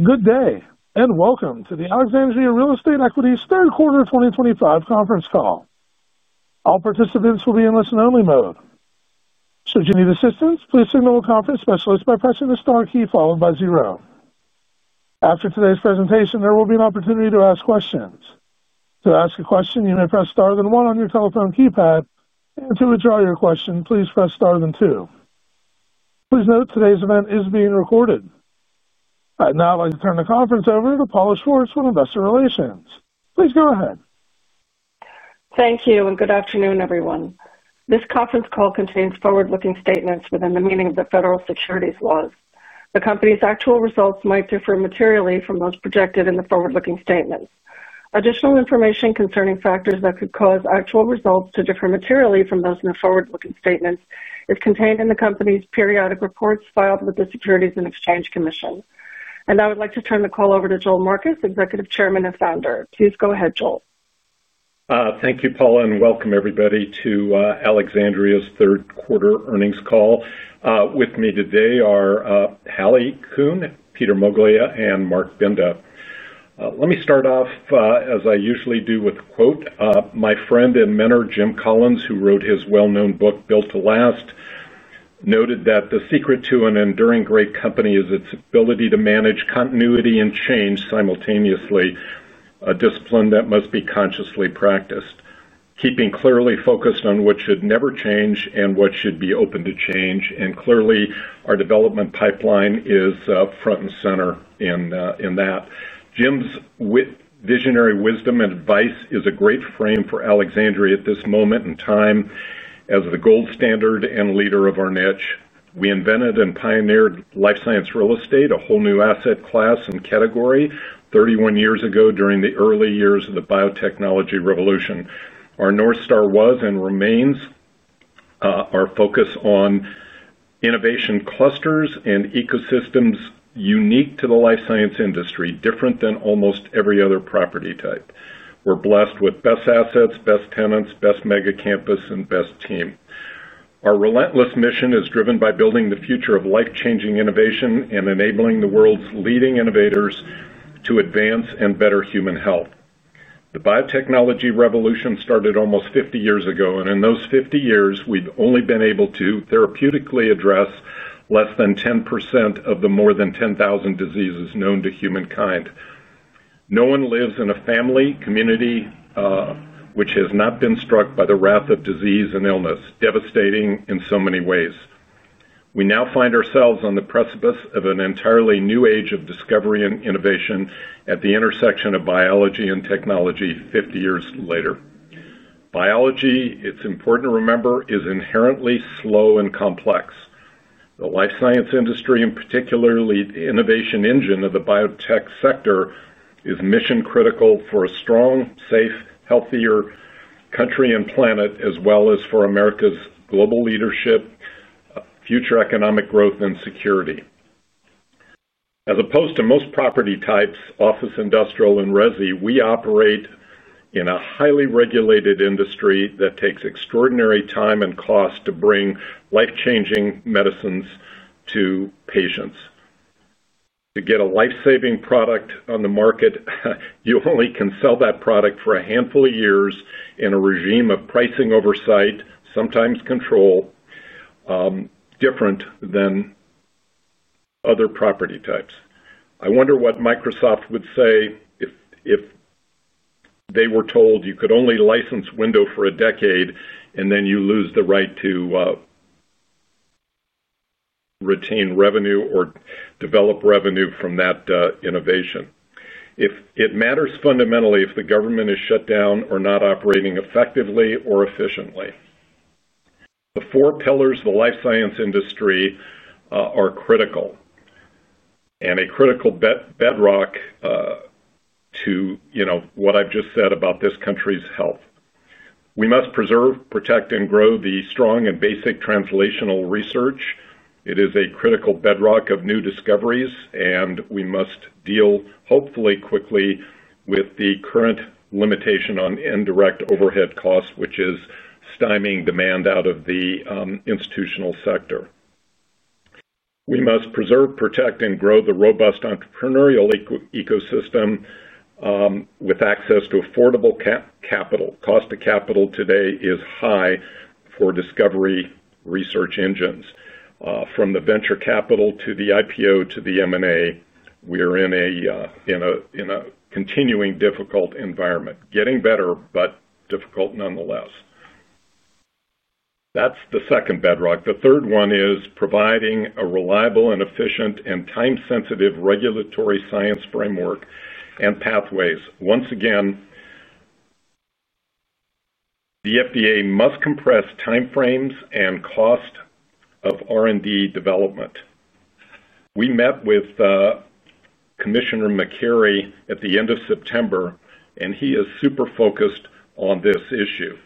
Good day, and welcome to the Alexandria Real Estate Equities Third quarter 2025 conference call. All participants will be in listen-only mode. Should you need assistance, please signal a conference specialist by pressing the star key followed by zero. After today's presentation, there will be an opportunity to ask questions. To ask a question, you may press star then one on your telephone keypad, and to withdraw your question, please press star then two. Please note today's event is being recorded. I'd now like to turn the conference over to Paula Schwartz from Investor Relations. Please go ahead. Thank you, and good afternoon, everyone. This conference call contains forward-looking statements within the meaning of the Federal Securities Laws. The company's actual results might differ materially from those projected in the forward-looking statements. Additional information concerning factors that could cause actual results to differ materially from those in the forward-looking statements is contained in the company's periodic reports filed with the Securities and Exchange Commission. I would like to turn the call over to Joel Marcus, Executive Chairman and Founder. Please go ahead, Joel. Thank you, Paula, and welcome, everybody, to Alexandria third quarter earnings call. With me today are Hallie Kuhn, Peter Moglia, and Marc Binda. Let me start off, as I usually do, with a quote. My friend and mentor, Jim Collins, who wrote his well-known book, Built to Last, noted that the secret to an enduring great company is its ability to manage continuity and change simultaneously, a discipline that must be consciously practiced, keeping clearly focused on what should never change and what should be open to change. Clearly, our development pipeline is front and center in that. Jim's visionary wisdom and advice is a great frame for Alexandria Real Estate Equities at this moment in time as the gold standard and leader of our niche. We invented and pioneered life science real estate, a whole new asset class and category, 31 years ago during the early years of the biotechnology revolution. Our North Star was and remains our focus on innovation clusters and ecosystems unique to the life science industry, different than almost every other property type. We're blessed with best assets, best tenants, best mega campus, and best team. Our relentless mission is driven by building the future of life-changing innovation and enabling the world's leading innovators to advance and better human health. The biotechnology revolution started almost 50 years ago, and in those 50 years, we've only been able to therapeutically address less than 10% of the more than 10,000 diseases known to humankind. No one lives in a family community which has not been struck by the wrath of disease and illness, devastating in so many ways. We now find ourselves on the precipice of an entirely new age of discovery and innovation at the intersection of biology and technology, 50 years later. Biology, it's important to remember, is inherently slow and complex. The life science industry, and particularly the innovation engine of the biotech sector, is mission-critical for a strong, safe, healthier country and planet, as well as for America's global leadership, future economic growth, and security. As opposed to most property types, office, industrial, and resi, we operate in a highly regulated industry that takes extraordinary time and cost to bring life-changing medicines to patients. To get a life-saving product on the market, you only can sell that product for a handful of years in a regime of pricing oversight, sometimes control, different than other property types. I wonder what Microsoft would say if they were told you could only license Windows for a decade, and then you lose the right to retain revenue or develop revenue from that innovation. It matters fundamentally if the government is shut down or not operating effectively or efficiently. The four pillars of the life science industry are critical and a critical bedrock to what I've just said about this country's health. We must preserve, protect, and grow the strong and basic translational research. It is a critical bedrock of new discoveries, and we must deal hopefully quickly with the current limitation on indirect overhead costs, which is stymieing demand out of the institutional sector. We must preserve, protect, and grow the robust entrepreneurial ecosystem with access to affordable capital. Cost of capital today is high for discovery research engines. From the venture capital to the IPO to the M&A, we are in a continuing difficult environment, getting better, but difficult nonetheless. That's the second bedrock. The third one is providing a reliable and efficient and time-sensitive regulatory science framework and pathways. Once again, the FDA must compress timeframes and cost of R&D development. We met with Commissioner McCary at the end of September, and he is super focused on this issue.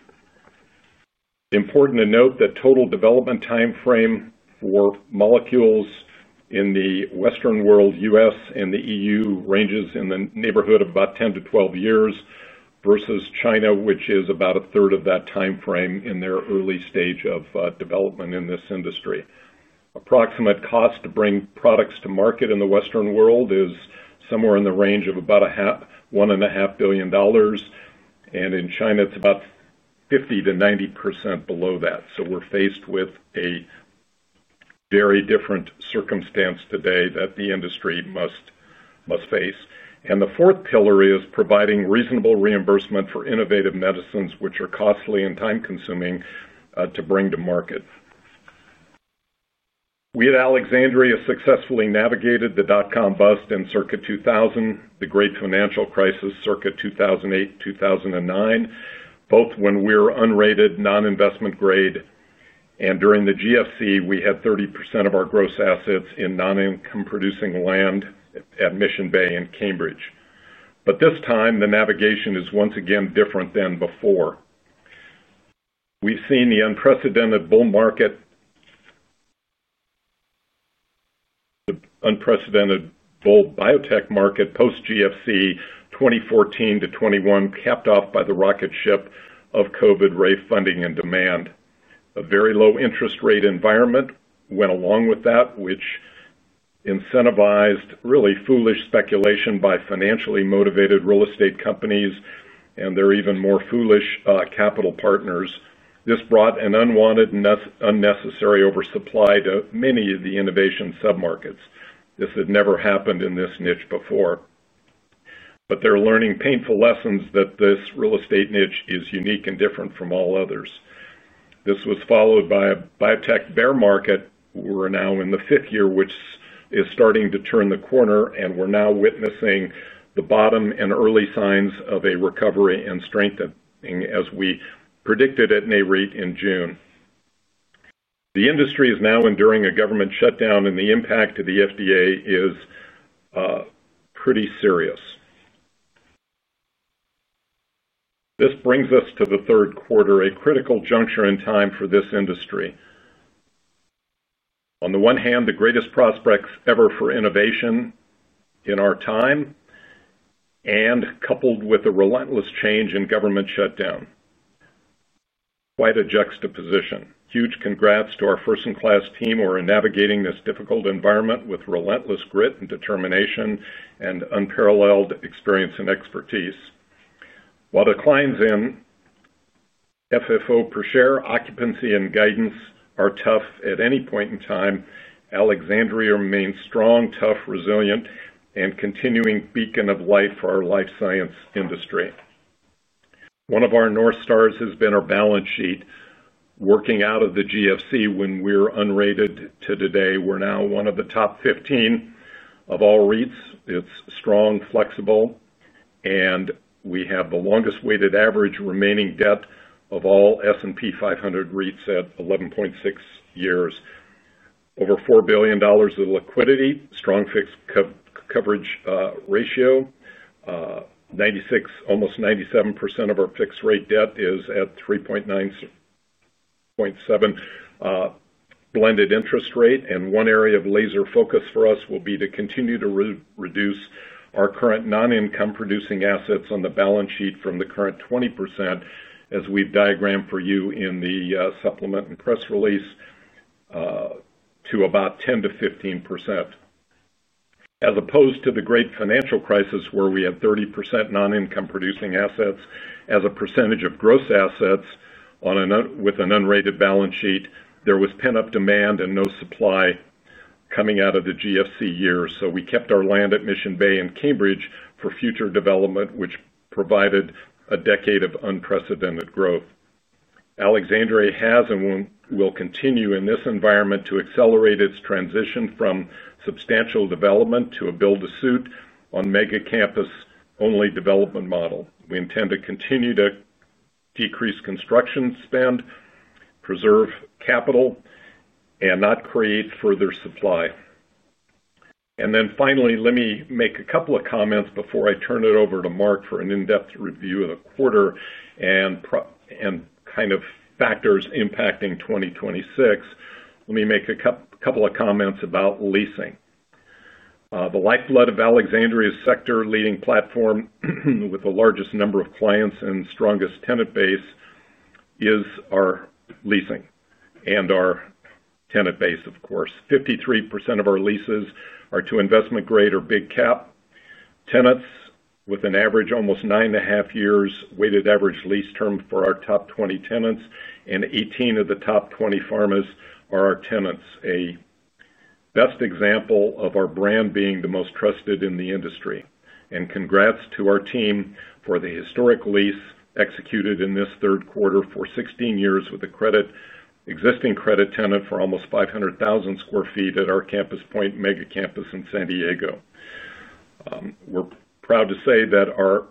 Important to note that total development timeframe for molecules in the Western world, U.S. and the EU, ranges in the neighborhood of about 10 to 12 years versus China, which is about a third of that timeframe in their early stage of development in this industry. Approximate cost to bring products to market in the Western world is somewhere in the range of about $1.5 billion, and in China, it's about 50%-90% below that. We are faced with a very different circumstance today that the industry must face. The fourth pillar is providing reasonable reimbursement for innovative medicines, which are costly and time-consuming to bring to market. We at Alexandria successfully navigated the dot-com bust in circa 2000, the great financial crisis circa 2008, 2009, both when we were unrated, non-investment grade, and during the GFC, we had 30% of our gross assets in non-income-producing land at Mission Bay in Cambridge. This time, the navigation is once again different than before. We have seen the unprecedented bull market, the unprecedented bull biotech market post-GFC 2014-2021, capped off by the rocket ship of COVID-rave funding and demand. A very low interest rate environment went along with that, which incentivized really foolish speculation by financially motivated real estate companies and their even more foolish capital partners. This brought an unwanted and unnecessary oversupply to many of the innovation submarkets. This had never happened in this niche before, but they're learning painful lessons that this real estate niche is unique and different from all others. This was followed by a biotech bear market. We're now in the fifth year, which is starting to turn the corner, and we're now witnessing the bottom and early signs of a recovery and strengthening, as we predicted at NAREIT in June. The industry is now enduring a government shutdown, and the impact to the FDA is pretty serious. This brings us to the third quarter, a critical juncture in time for this industry. On the one hand, the greatest prospects ever for innovation in our time, and coupled with a relentless change in government shutdown, quite a juxtaposition. Huge congrats to our first-in-class team who are navigating this difficult environment with relentless grit and determination and unparalleled experience and expertise. While declines in FFO per share, occupancy, and guidance are tough at any point in time, Alexandria remains strong, tough, resilient, and a continuing beacon of light for our life science industry. One of our North Stars has been our balance sheet, working out of the GFC when we were unrated to today. We're now one of the top 15 of all REITs. It's strong, flexible, and we have the longest weighted average remaining debt of all S&P 500 REITs at 11.6 years. Over $4 billion of liquidity, strong fixed coverage ratio, 96% almost 97% of our fixed rate debt is at 3.97% blended interest rate. One area of laser focus for us will be to continue to reduce our current non-income-producing assets on the balance sheet from the current 20%, as we've diagrammed for you in the supplement and press release, to about 10 to 15%. As opposed to the great financial crisis, where we had 30% non-income-producing assets as a percentage of gross assets with an unrated balance sheet, there was pent-up demand and no supply coming out of the GFC year. We kept our land at Mission Bay in Cambridge for future development, which provided a decade of unprecedented growth. Alexandria has and will continue in this environment to accelerate its transition from substantial development to a build-to-suit on mega campus-only development model. We intend to continue to decrease construction spend, preserve capital, and not create further supply. Finally, let me make a couple of comments before I turn it over to Marc for an in-depth review of the quarter and factors impacting 2026. Let me make a couple of comments about leasing. The lifeblood of Alexandria's sector-leading platform with the largest number of clients and strongest tenant base is our leasing and our tenant base, of course. 53% of our leases are to investment-grade or big cap tenants, with an average almost nine and a half years weighted average lease term for our top 20 tenants, and 18 of the top 20 pharmas are our tenants. A best example of our brand being the most trusted in the industry. Congrats to our team for the historic lease executed in this third quarter for 16 years with an existing credit tenant for almost 500,000 sq ft at our Campus Point Mega Campus in San Diego. We're proud to say that our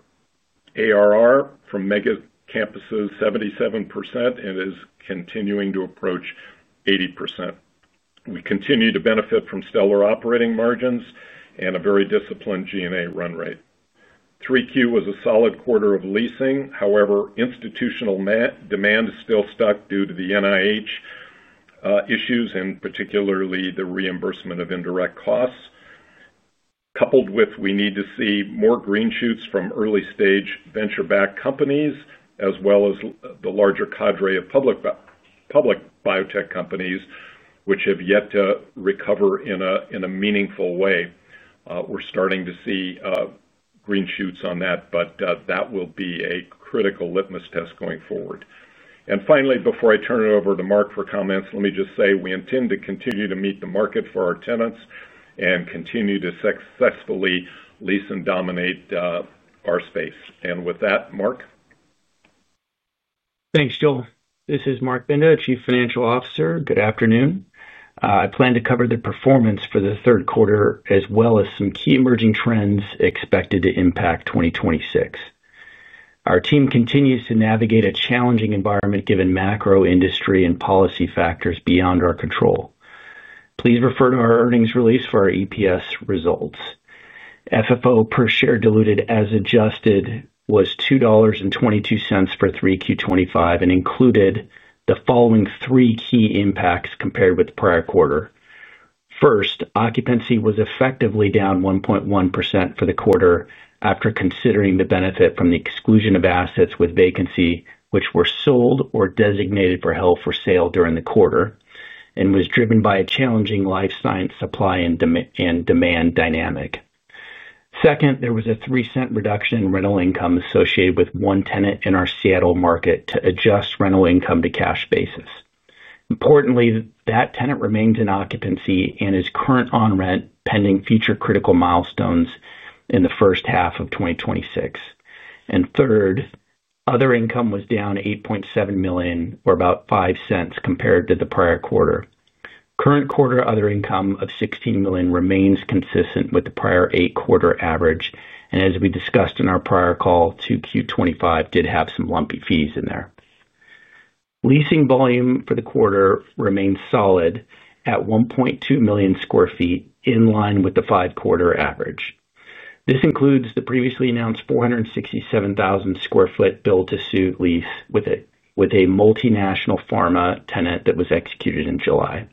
ARR from mega campuses is 77% and is continuing to approach 80%. We continue to benefit from stellar operating margins and a very disciplined G&A run rate. Q3 was a solid quarter of leasing. However, institutional demand is still stuck due to the NIH issues and particularly the reimbursement of indirect costs, coupled with the need to see more green shoots from early-stage venture-backed companies, as well as the larger cadre of public biotech companies, which have yet to recover in a meaningful way. We're starting to see green shoots on that, but that will be a critical litmus test going forward. Finally, before I turn it over to Marc for comments, let me just say we intend to continue to meet the market for our tenants and continue to successfully lease and dominate our space. With that, Marc. Thanks, Joel. This is Marc Binda, Chief Financial Officer. Good afternoon. I plan to cover the performance for the third quarter, as well as some key emerging trends expected to impact 2026. Our team continues to navigate a challenging environment given macro industry and policy factors beyond our control. Please refer to our earnings release for our EPS results. FFO per share diluted as adjusted was $2.22 for Q3 2025 and included the following three key impacts compared with the prior quarter. First, occupancy was effectively down 1.1% for the quarter after considering the benefit from the exclusion of assets with vacancy which were sold or designated for held for sale during the quarter and was driven by a challenging life science supply and demand dynamic. Second, there was a $0.03 reduction in rental income associated with one tenant in our Seattle market to adjust rental income to cash basis. Importantly, that tenant remains in occupancy and is current on rent pending future critical milestones in the first half of 2026. Third, other income was down $8.7 million or about $0.05 compared to the prior quarter. Current quarter other income of $16 million remains consistent with the prior eight-quarter average. As we discussed in our prior call, Q2 2025 did have some lumpy fees in there. Leasing volume for the quarter remains solid at 1.2 million square feet, in line with the five-quarter average. This includes the previously announced 467,000 sq ft build-to-suit lease with a multinational pharma tenant that was executed in July.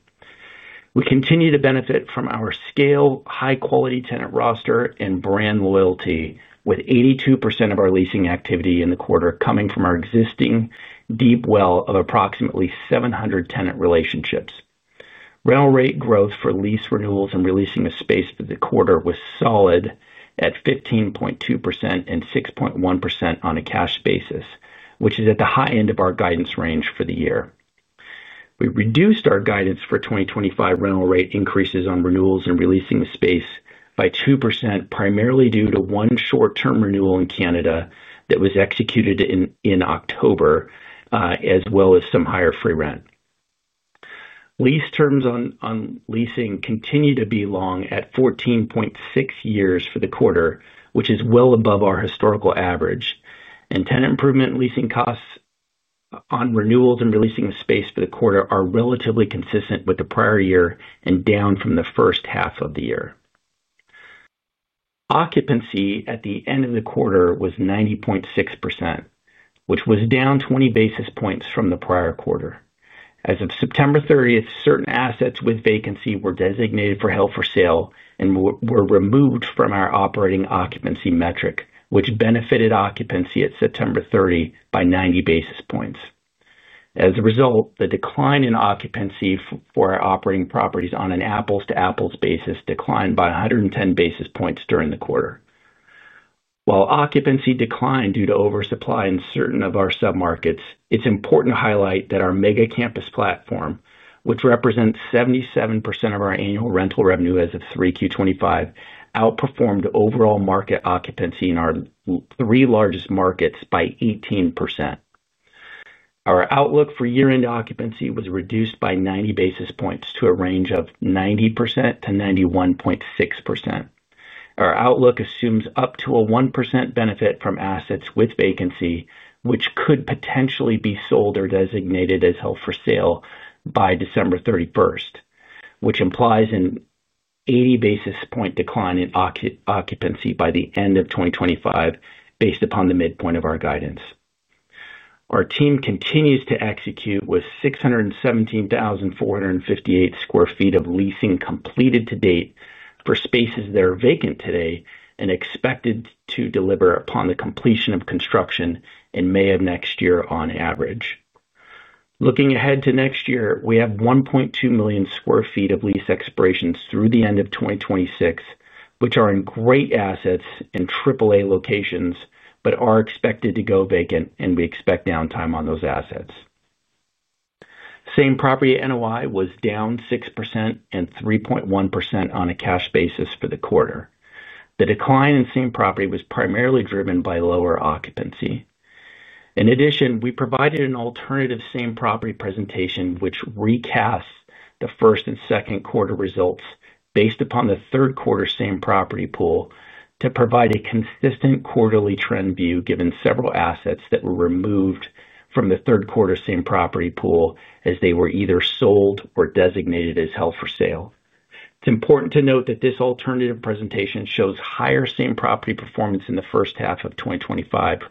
We continue to benefit from our scale, high-quality tenant roster, and brand loyalty, with 82% of our leasing activity in the quarter coming from our existing deep well of approximately 700 tenant relationships. Rental rate growth for lease renewals and releasing the space for the quarter was solid at 15.2% and 6.1% on a cash basis, which is at the high end of our guidance range for the year. We reduced our guidance for 2025 rental rate increases on renewals and releasing the space by 2%, primarily due to one short-term renewal in Canada that was executed in October, as well as some higher free rent. Lease terms on leasing continue to be long at 14.6 years for the quarter, which is well above our historical average. Tenant improvement leasing costs on renewals and releasing the space for the quarter are relatively consistent with the prior year and down from the first half of the year. Occupancy at the end of the quarter was 90.6%, which was down 20 basis points from the prior quarter. As of September 30, certain assets with vacancy were designated for held for sale and were removed from our operating occupancy metric, which benefited occupancy at September 30 by 90 basis points. As a result, the decline in occupancy for our operating properties on an apples-to-apples basis declined by 110 basis points during the quarter. While occupancy declined due to oversupply in certain of our submarkets, it's important to highlight that our mega campus platform, which represents 77% of our annual rental revenue as of Q3 2025, outperformed overall market occupancy in our three largest markets by 18%. Our outlook for year-end occupancy was reduced by 90 basis points to a range of 90%-91.6%. Our outlook assumes up to a 1% benefit from assets with vacancy, which could potentially be sold or designated as held for sale by December 31, which implies an 80 basis point decline in occupancy by the end of 2025, based upon the midpoint of our guidance. Our team continues to execute with 617,458 sq ft of leasing completed to date for spaces that are vacant today and expected to deliver upon the completion of construction in May of next year on average. Looking ahead to next year, we have 1.2 million sq ft of lease expirations through the end of 2026, which are in great assets and AAA locations, but are expected to go vacant, and we expect downtime on those assets. Same Property NOI was down 6% and 3.1% on a cash basis for the quarter. The decline in Same Property was primarily driven by lower occupancy. In addition, we provided an alternative Same Property presentation, which recasts the first and second quarter results based upon the third quarter Same Property pool to provide a consistent quarterly trend view given several assets that were removed from the third quarter Same Property pool as they were either sold or designated as held for sale. It's important to note that this alternative presentation shows higher Same Property performance in the first half of 2025,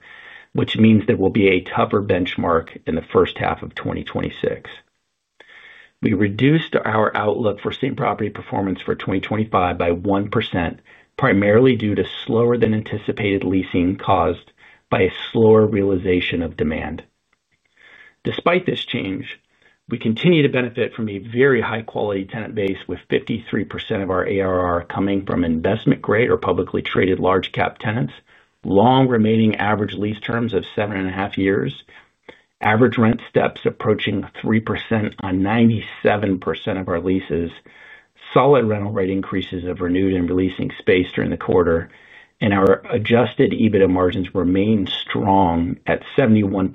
which means there will be a tougher benchmark in the first half of 2026. We reduced our outlook for Same Property performance for 2025 by 1%, primarily due to slower than anticipated leasing caused by a slower realization of demand. Despite this change, we continue to benefit from a very high-quality tenant base, with 53% of our ARR coming from investment-grade or publicly traded large-cap tenants, long remaining average lease terms of seven and a half years, average rent steps approaching 3% on 97% of our leases, solid rental rate increases of renewed and releasing space during the quarter, and our adjusted EBITDA margins remain strong at 71%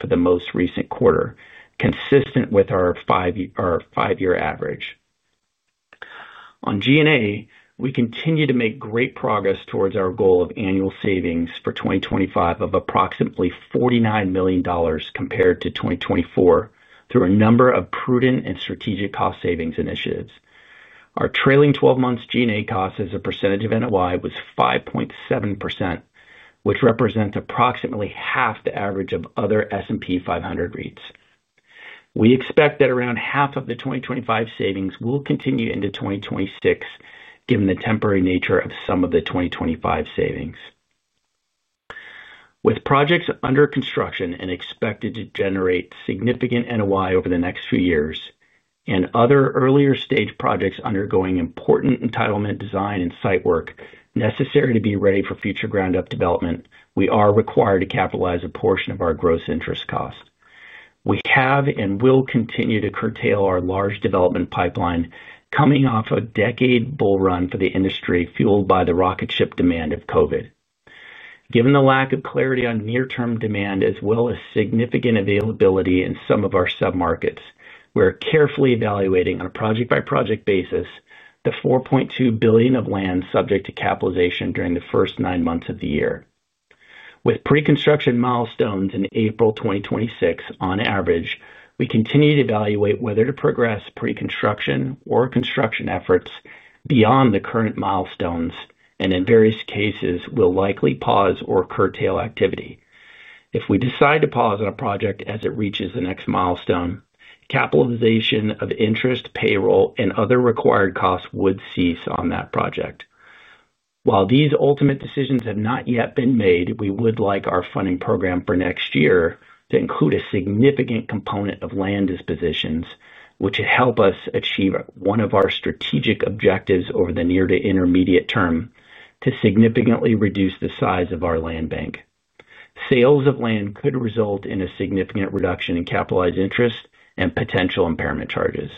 for the most recent quarter, consistent with our five-year average. On G&A, we continue to make great progress towards our goal of annual savings for 2025 of approximately $49 million compared to 2024 through a number of prudent and strategic cost savings initiatives. Our trailing 12 months G&A cost as a percentage of NOI was 5.7%, which represents approximately half the average of other S&P 500 REITs. We expect that around half of the 2025 savings will continue into 2026, given the temporary nature of some of the 2025 savings. With projects under construction and expected to generate significant NOI over the next few years, and other earlier stage projects undergoing important entitlement, design, and site work necessary to be ready for future ground-up development, we are required to capitalize a portion of our gross interest cost. We have and will continue to curtail our large development pipeline coming off a decade bull run for the industry, fueled by the rocket ship demand of COVID. Given the lack of clarity on near-term demand as well as significant availability in some of our submarkets, we are carefully evaluating on a project-by-project basis the $4.2 billion of land subject to capitalization during the first nine months of the year. With pre-construction milestones in April 2026 on average, we continue to evaluate whether to progress pre-construction or construction efforts beyond the current milestones, and in various cases, we'll likely pause or curtail activity. If we decide to pause on a project as it reaches the next milestone, capitalization of interest, payroll, and other required costs would cease on that project. While these ultimate decisions have not yet been made, we would like our funding program for next year to include a significant component of land dispositions, which would help us achieve one of our strategic objectives over the near to intermediate term to significantly reduce the size of our land bank. Sales of land could result in a significant reduction in capitalized interest and potential impairment charges.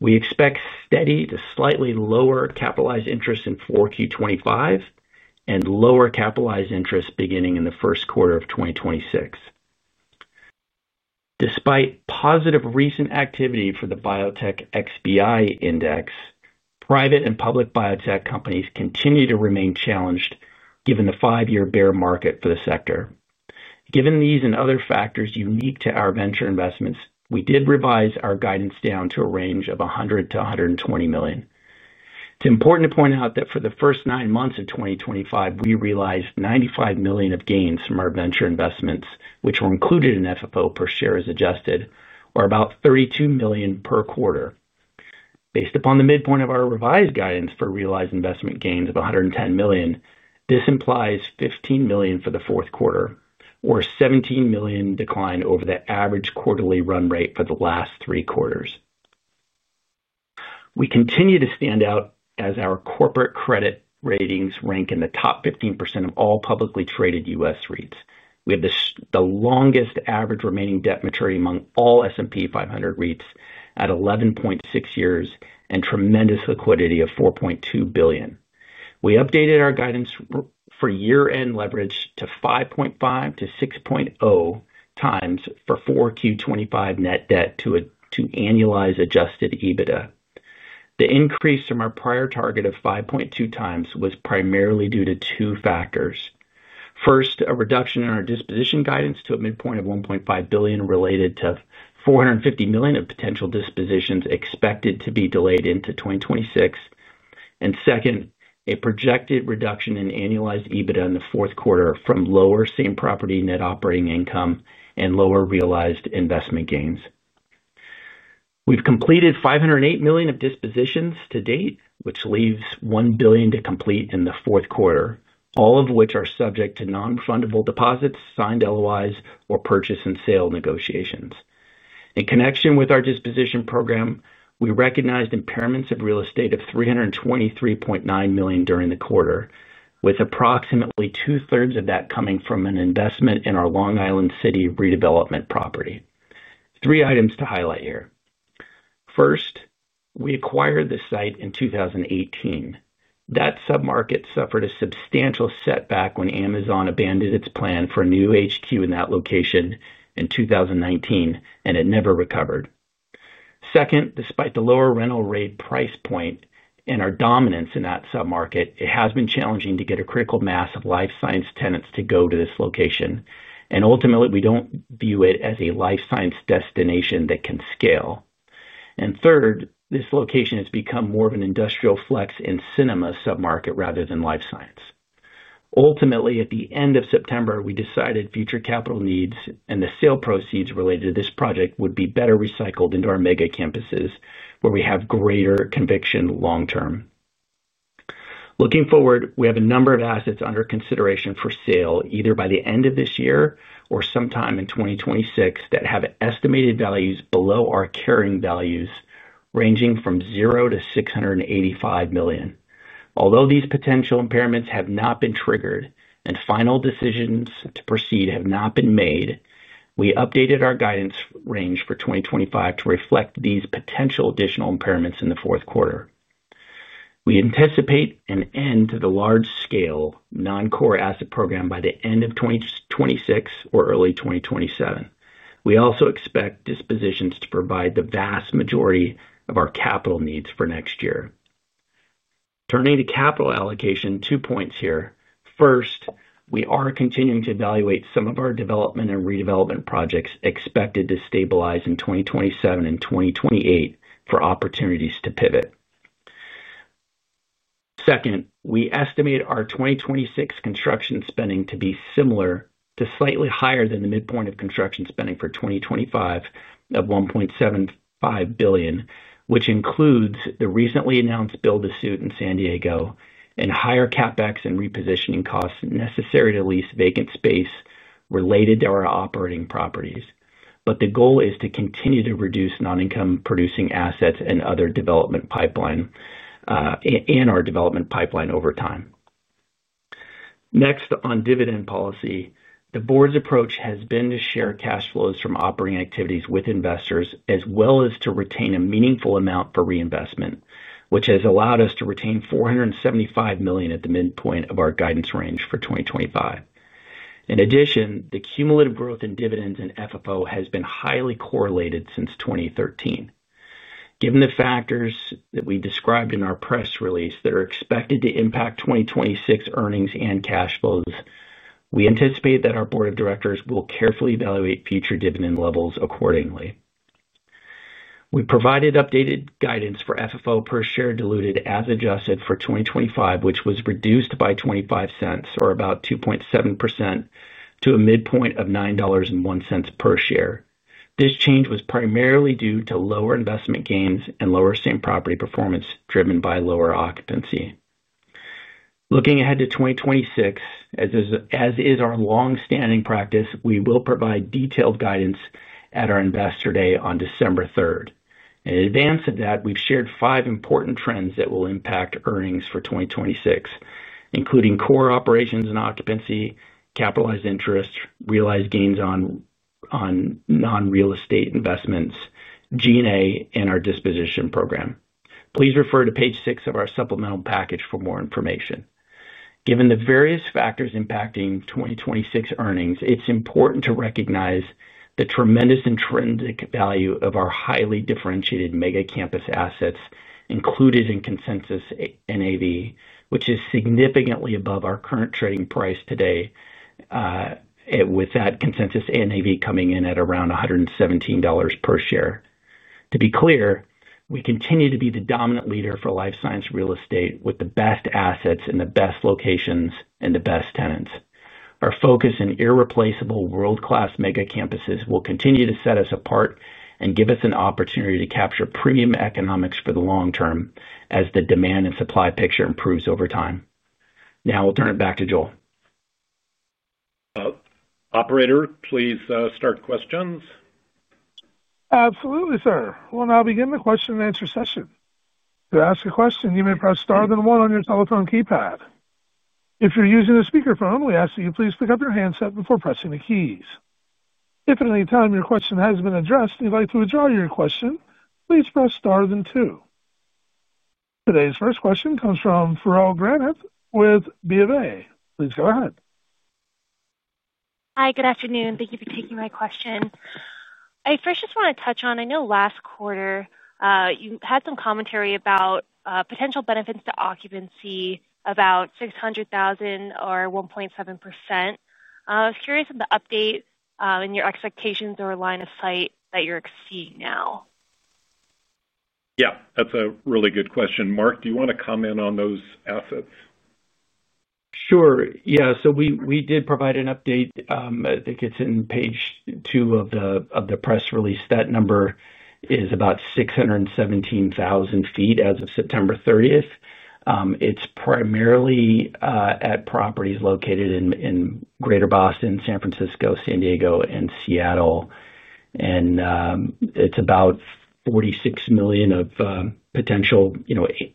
We expect steady to slightly lower capitalized interest in 4Q25 and lower capitalized interest beginning in the first quarter of 2026. Despite positive recent activity for the biotech XBI index, private and public biotech companies continue to remain challenged given the five-year bear market for the sector. Given these and other factors unique to our venture investments, we did revise our guidance down to a range of $100 million-$120 million. It's important to point out that for the first nine months of 2025, we realized $95 million of gains from our venture investments, which were included in FFO per share as adjusted, or about $32 million per quarter. Based upon the midpoint of our revised guidance for realized investment gains of $110 million, this implies $15 million for the fourth quarter, or a $17 million decline over the average quarterly run rate for the last three quarters. We continue to stand out as our corporate credit ratings rank in the top 15% of all publicly traded U.S. REITs. We have the longest average remaining debt maturity among all S&P 500 REITs at 11.6 years and tremendous liquidity of $4.2 billion. We updated our guidance for year-end leverage to 5.5-6.0 times for 4Q25 net debt to annualized Adjusted EBITDA. The increase from our prior target of 5.2x was primarily due to two factors. First, a reduction in our disposition guidance to a midpoint of $1.5 billion related to $450 million of potential dispositions expected to be delayed into 2026. Second, a projected reduction in annualized EBITDA in the fourth quarter from lower same property net operating income and lower realized investment gains. We've completed $508 million of dispositions to date, which leaves $1 billion to complete in the fourth quarter, all of which are subject to non-fundable deposits, signed LOIs, or purchase and sale negotiations. In connection with our disposition program, we recognized impairments of real estate of $323.9 million during the quarter, with approximately two-thirds of that coming from an investment in our Long Island City redevelopment property. Three items to highlight here. First, we acquired the site in 2018. That submarket suffered a substantial setback when Amazon abandoned its plan for a new HQ in that location in 2019, and it never recovered. Second, despite the lower rental rate price point and our dominance in that submarket, it has been challenging to get a critical mass of life science tenants to go to this location. Ultimately, we don't view it as a life science destination that can scale. Third, this location has become more of an industrial flex and cinema submarket rather than life science. At the end of September, we decided future capital needs and the sale proceeds related to this project would be better recycled into our mega campuses, where we have greater conviction long term. Looking forward, we have a number of assets under consideration for sale either by the end of this year or sometime in 2026 that have estimated values below our carrying values ranging from $0-$685 million. Although these potential impairments have not been triggered and final decisions to proceed have not been made, we updated our guidance range for 2025 to reflect these potential additional impairments in the fourth quarter. We anticipate an end to the large-scale non-core asset program by the end of 2026 or early 2027. We also expect dispositions to provide the vast majority of our capital needs for next year. Turning to capital allocation, two points here. First, we are continuing to evaluate some of our development and redevelopment projects expected to stabilize in 2027 and 2028 for opportunities to pivot. Second, we estimate our 2026 construction spending to be similar to slightly higher than the midpoint of construction spending for 2025 of $1.75 billion, which includes the recently announced build-to-suit in San Diego and higher CapEx and repositioning costs necessary to lease vacant space related to our operating properties. The goal is to continue to reduce non-income-producing assets and our development pipeline over time. Next, on dividend policy, the Board's approach has been to share cash flows from operating activities with investors as well as to retain a meaningful amount for reinvestment, which has allowed us to retain $475 million at the midpoint of our guidance range for 2025. In addition, the cumulative growth in dividends and FFO has been highly correlated since 2013. Given the factors that we described in our press release that are expected to impact 2026 earnings and cash flows, we anticipate that our Board of Directors will carefully evaluate future dividend levels accordingly. We provided updated guidance for FFO per share diluted as adjusted for 2025, which was reduced by $0.25, or about 2.7%, to a midpoint of $9.01 per share. This change was primarily due to lower investment gains and lower same property performance driven by lower occupancy. Looking ahead to 2026, as is our longstanding practice, we will provide detailed guidance at our investor day on December 3rd. In advance of that, we've shared five important trends that will impact earnings for 2026, including core operations and occupancy, capitalized interest, realized gains on non-real estate investments, G&A, and our disposition program. Please refer to page six of our supplemental package for more information. Given the various factors impacting 2026 earnings, it's important to recognize the tremendous intrinsic value of our highly differentiated mega campus assets included in Consensus NAV, which is significantly above our current trading price today, with that Consensus NAV coming in at around $117 per share. To be clear, we continue to be the dominant leader for life science real estate with the best assets and the best locations and the best tenants. Our focus and irreplaceable world-class mega campuses will continue to set us apart and give us an opportunity to capture premium economics for the long term as the demand and supply picture improves over time. Now, we'll turn it back to Joel. Operator, please start questions. Absolutely, sir. We'll now begin the question and answer session. To ask a question, you may press star then one on your telephone keypad. If you're using a speakerphone, we ask that you please pick up your handset before pressing the keys. If at any time your question has been addressed and you'd like to withdraw your question, please press star then two. Today's first question comes from Farrell Granath with BofA Securities. Please go ahead. Hi, good afternoon. Thank you for taking my question. I first just want to touch on, I know last quarter you had some commentary about potential benefits to occupancy, about 600,000 or 1.7%. I was curious on the update and your expectations over line of sight that you're seeing now. Yeah, that's a really good question. Marc, do you want to comment on those assets? Sure. Yeah. We did provide an update. I think it's on page two of the press release. That number is about 617,000 ft as of September 30. It's primarily at properties located in Greater Boston, San Francisco, San Diego, and Seattle. It's about $46 million of potential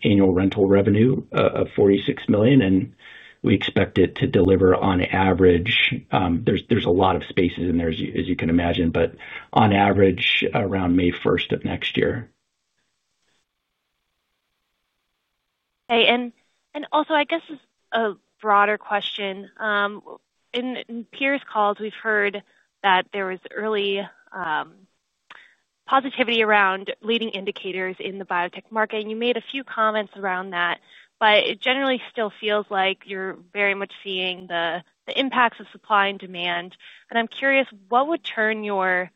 annual rental revenue of $46 million. We expect it to deliver on average. There's a lot of spaces in there, as you can imagine, but on average, around May 1 of next year. Okay. I guess this is a broader question. In prior calls, we've heard that there was early positivity around leading indicators in the biotech market. You made a few comments around that, but it generally still feels like you're very much seeing the impacts of supply and demand. I'm curious, what would turn your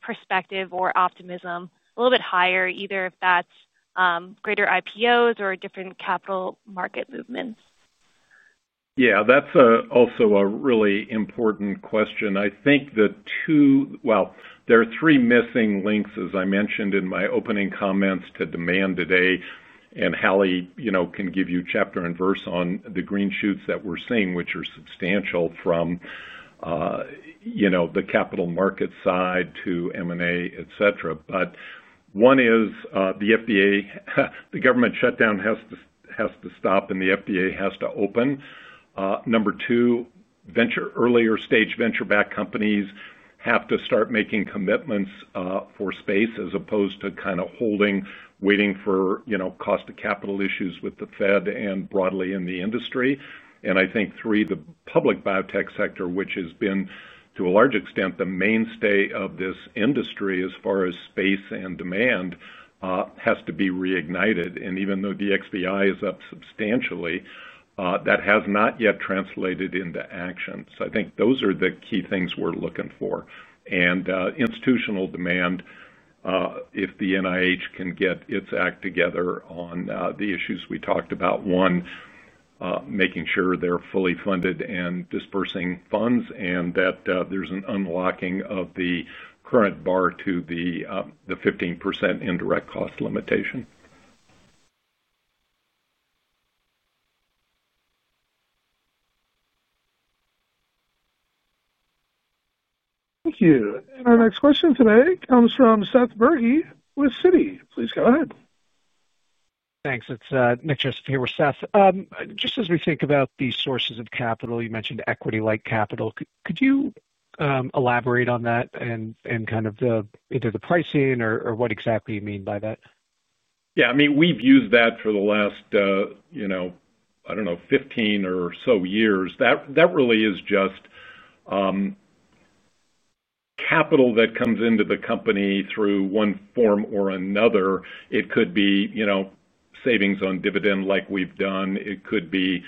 perspective or optimism a little bit higher, either if that's greater IPOs or different capital market movements? Yeah, that's also a really important question. I think the two, well, there are three missing links, as I mentioned in my opening comments to demand today. Hallie, you know, can give you chapter and verse on the green shoots that we're seeing, which are substantial from the capital market side to M&A, etc. One is, the FDA, the government shutdown has to stop and the FDA has to open. Number two, earlier stage venture-backed companies have to start making commitments for space as opposed to kind of holding, waiting for cost of capital issues with the Fed and broadly in the industry. I think three, the public biotech sector, which has been to a large extent the mainstay of this industry as far as space and demand, has to be reignited. Even though the XBI is up substantially, that has not yet translated into action. I think those are the key things we're looking for. Institutional demand, if the NIH can get its act together on the issues we talked about, one, making sure they're fully funded and dispersing funds, and that there's an unlocking of the current bar to the 15% indirect cost limitation. Thank you. Our next question today comes from Seth Burkey with Citi. Please go ahead. Thanks. It's Nick here with Seth. As we think about the sources of capital, you mentioned equity-like capital. Could you elaborate on that and the pricing or what exactly you mean by that? Yeah, I mean, we've used that for the last, you know, I don't know, 15 or so years. That really is just capital that comes into the company through one form or another. It could be, you know, savings on dividend like we've done. It could be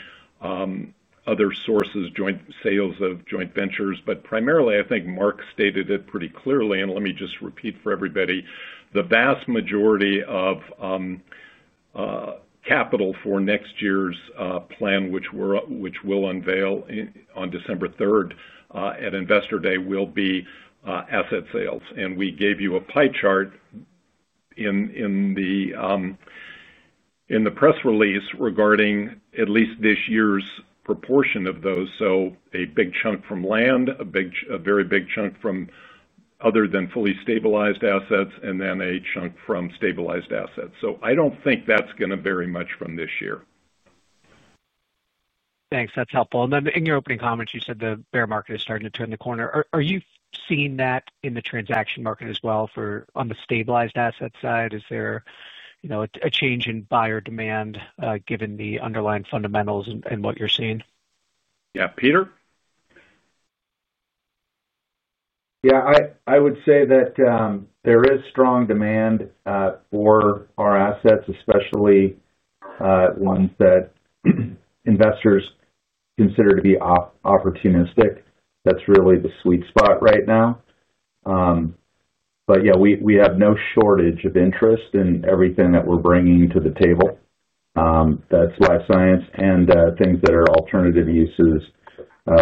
other sources, joint sales of joint ventures. Primarily, I think Marc stated it pretty clearly, and let me just repeat for everybody, the vast majority of capital for next year's plan, which we will unveil on December 3rd at Investor Day, will be asset sales. We gave you a pie chart in the press release regarding at least this year's proportion of those. A big chunk from land, a very big chunk from other than fully stabilized assets, and then a chunk from stabilized assets. I don't think that's going to vary much from this year. Thanks. That's helpful. In your opening comments, you said the bear market is starting to turn the corner. Are you seeing that in the transaction market as well for on the stabilized asset side? Is there a change in buyer demand, given the underlying fundamentals and what you're seeing? Yeah, Peter? Yeah, I would say that there is strong demand for our assets, especially ones that investors consider to be opportunistic. That's really the sweet spot right now. We have no shortage of interest in everything that we're bringing to the table. That's life science and things that are alternative uses,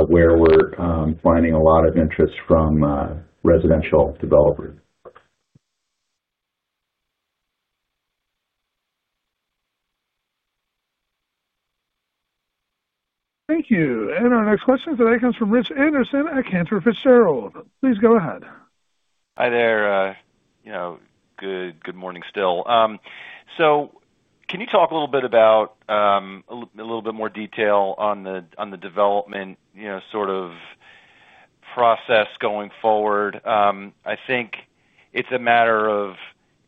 where we're finding a lot of interest from residential developers. Thank you. Our next question today comes from Rich Anderson at Cantor Fitzgerald. Please go ahead. Hi there. Good morning still. Can you talk a little bit more in detail on the development process going forward? I think it's a matter of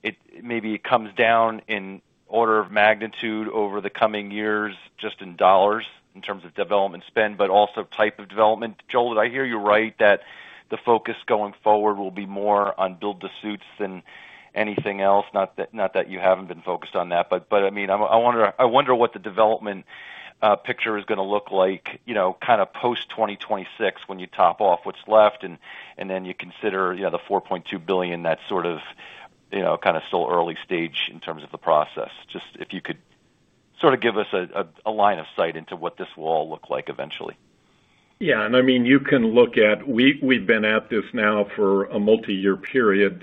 it maybe comes down in order of magnitude over the coming years, just in dollars in terms of development spend, but also type of development. Joel, did I hear you right that the focus going forward will be more on build-to-suit leases than anything else? Not that you haven't been focused on that, but I mean, I wonder what the development picture is going to look like, kind of post-2026 when you top off what's left and then you consider the $4.2 billion that's sort of still early stage in terms of the process. If you could give us a line of sight into what this will all look like eventually. Yeah, and I mean, you can look at we’ve been at this now for a multi-year period.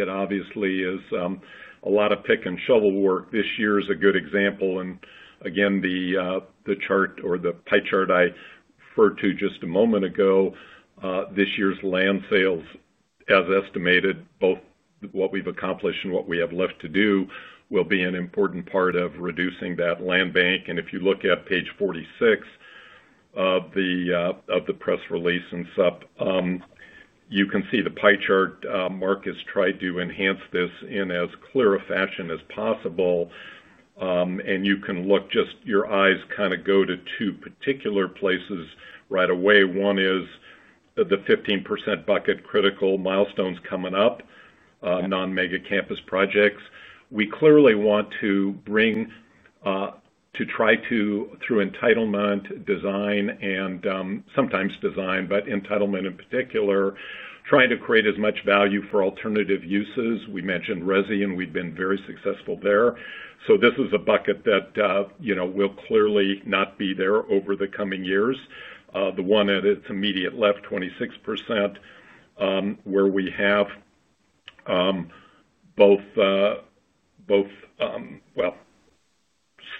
It obviously is a lot of pick and shovel work. This year is a good example. The chart or the pie chart I referred to just a moment ago, this year's land sales as estimated, both what we've accomplished and what we have left to do, will be an important part of reducing that land bank. If you look at page 46 of the press release and stuff, you can see the pie chart. Marc has tried to enhance this in as clear a fashion as possible. You can look, your eyes kind of go to two particular places right away. One is the 15% bucket, critical milestones coming up, non-mega campus projects. We clearly want to bring, to try to, through entitlement design and sometimes design, but entitlement in particular, trying to create as much value for alternative uses. We mentioned RESI, and we've been very successful there. This is a bucket that will clearly not be there over the coming years. The one at its immediate left, 26%, where we have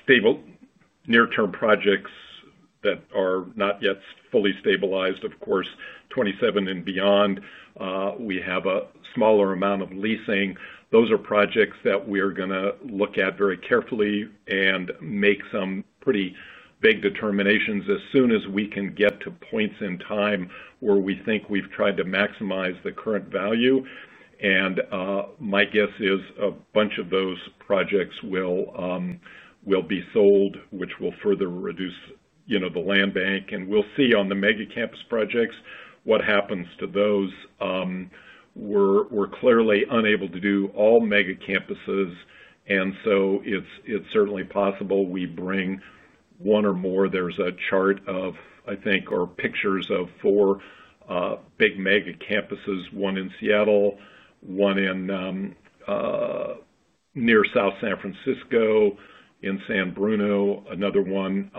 stable near-term projects that are not yet fully stabilized, of course, 2027 and beyond. We have a smaller amount of leasing. Those are projects that we are going to look at very carefully and make some pretty big determinations as soon as we can get to points in time where we think we've tried to maximize the current value. My guess is a bunch of those projects will be sold, which will further reduce the land bank. We’ll see on the mega campus projects what happens to those. We’re clearly unable to do all mega campuses. It’s certainly possible we bring one or more. There’s a chart of, I think, or pictures of four big mega campuses, one in Seattle, one near South San Francisco in San Bruno, another one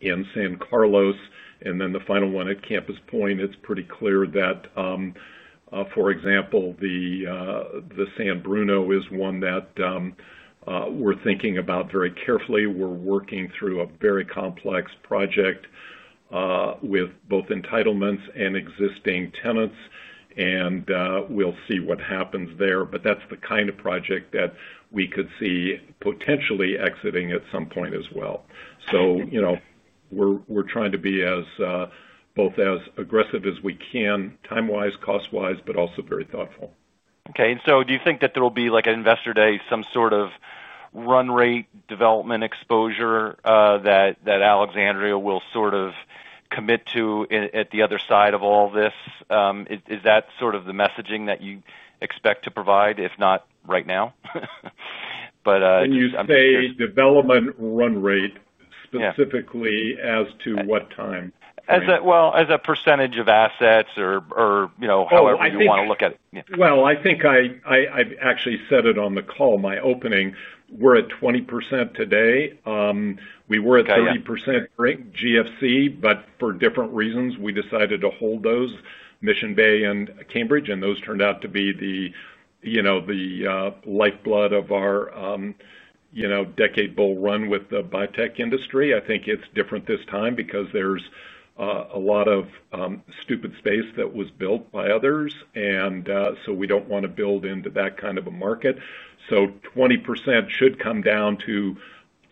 in San Carlos, and then the final one at Campus Point. It’s pretty clear that, for example, the San Bruno is one that we’re thinking about very carefully. We’re working through a very complex project with both entitlements and existing tenants. We’ll see what happens there. That’s the kind of project that we could see potentially exiting at some point as well. We’re trying to be both as aggressive as we can, time-wise, cost-wise, but also very thoughtful. Okay. Do you think that there will be an investor day, some sort of run rate development exposure that Alexandria will sort of commit to at the other side of all this? Is that sort of the messaging that you expect to provide, if not right now? You say development run rate specifically as to what time? As a percentage of assets or, you know, however you want to look at it. I actually said it on the call, my opening. We're at 20% today. We were at 30% during the GFC, but for different reasons, we decided to hold those, Mission Bay and Cambridge, and those turned out to be the lifeblood of our decade bull run with the biotech industry. I think it's different this time because there's a lot of stupid space that was built by others. We don't want to build into that kind of a market. 20% should come down to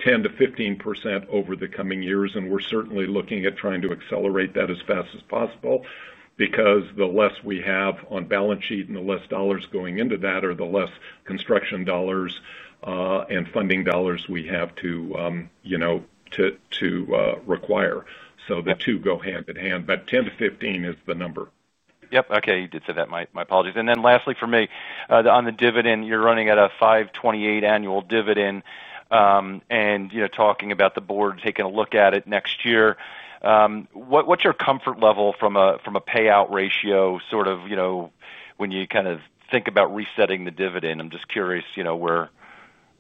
10%-15% over the coming years. We're certainly looking at trying to accelerate that as fast as possible because the less we have on balance sheet and the less dollars going into that are the less construction dollars and funding dollars we have to require. The two go hand in hand, but 10%-15% is the number. Okay. You did say that. My apologies. Lastly for me, on the dividend, you're running at a $5.28 annual dividend, and you know, talking about the board taking a look at it next year. What's your comfort level from a payout ratio, sort of, you know, when you kind of think about resetting the dividend? I'm just curious, you know, where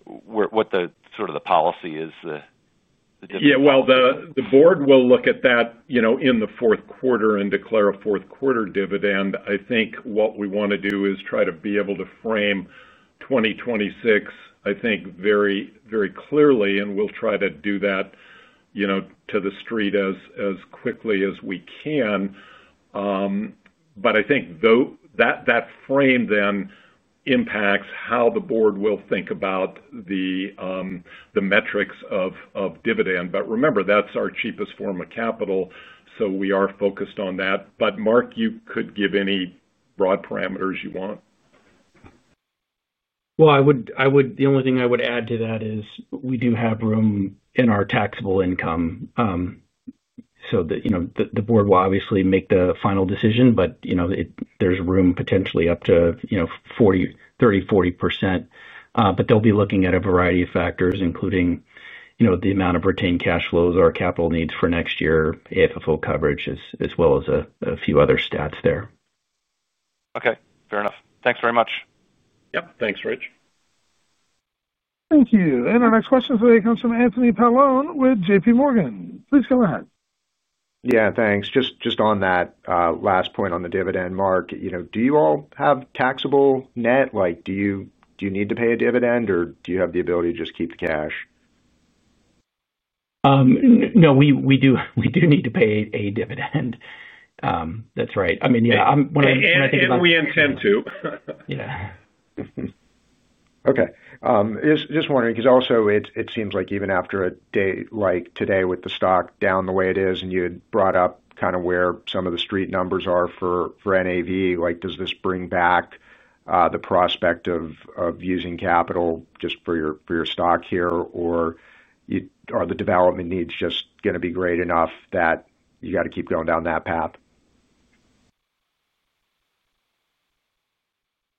the policy is, the dividend. Yeah, the board will look at that in the fourth quarter and declare a fourth quarter dividend. I think what we want to do is try to be able to frame 2026, I think, very, very clearly. We'll try to do that to the street as quickly as we can. I think that frame then impacts how the board will think about the metrics of dividend. Remember, that's our cheapest form of capital. We are focused on that. Marc, you could give any broad parameters you want. I would add to that is we do have room in our taxable income, so the board will obviously make the final decision, but there's room potentially up to 30%, 40%. They'll be looking at a variety of factors, including the amount of retained cash flows, our capital needs for next year, AFO coverage, as well as a few other stats there. Okay. Fair enough. Thanks very much. Yep. Thanks, Rich. Thank you. Our next question today comes from Anthony Paolone with JPMorgan. Please go ahead. Yeah, thanks. Just on that last point on the dividend, Marc, you know, do you all have taxable net? Like, do you need to pay a dividend, or do you have the ability to just keep the cash? No, we do need to pay a dividend. That's right. I mean, yeah, when I think about it. We intend to. Yeah. Okay. Just wondering, because also it seems like even after a day like today with the stock down the way it is, and you had brought up kind of where some of the street numbers are for NAV, does this bring back the prospect of using capital just for your stock here, or are the development needs just going to be great enough that you got to keep going down that path?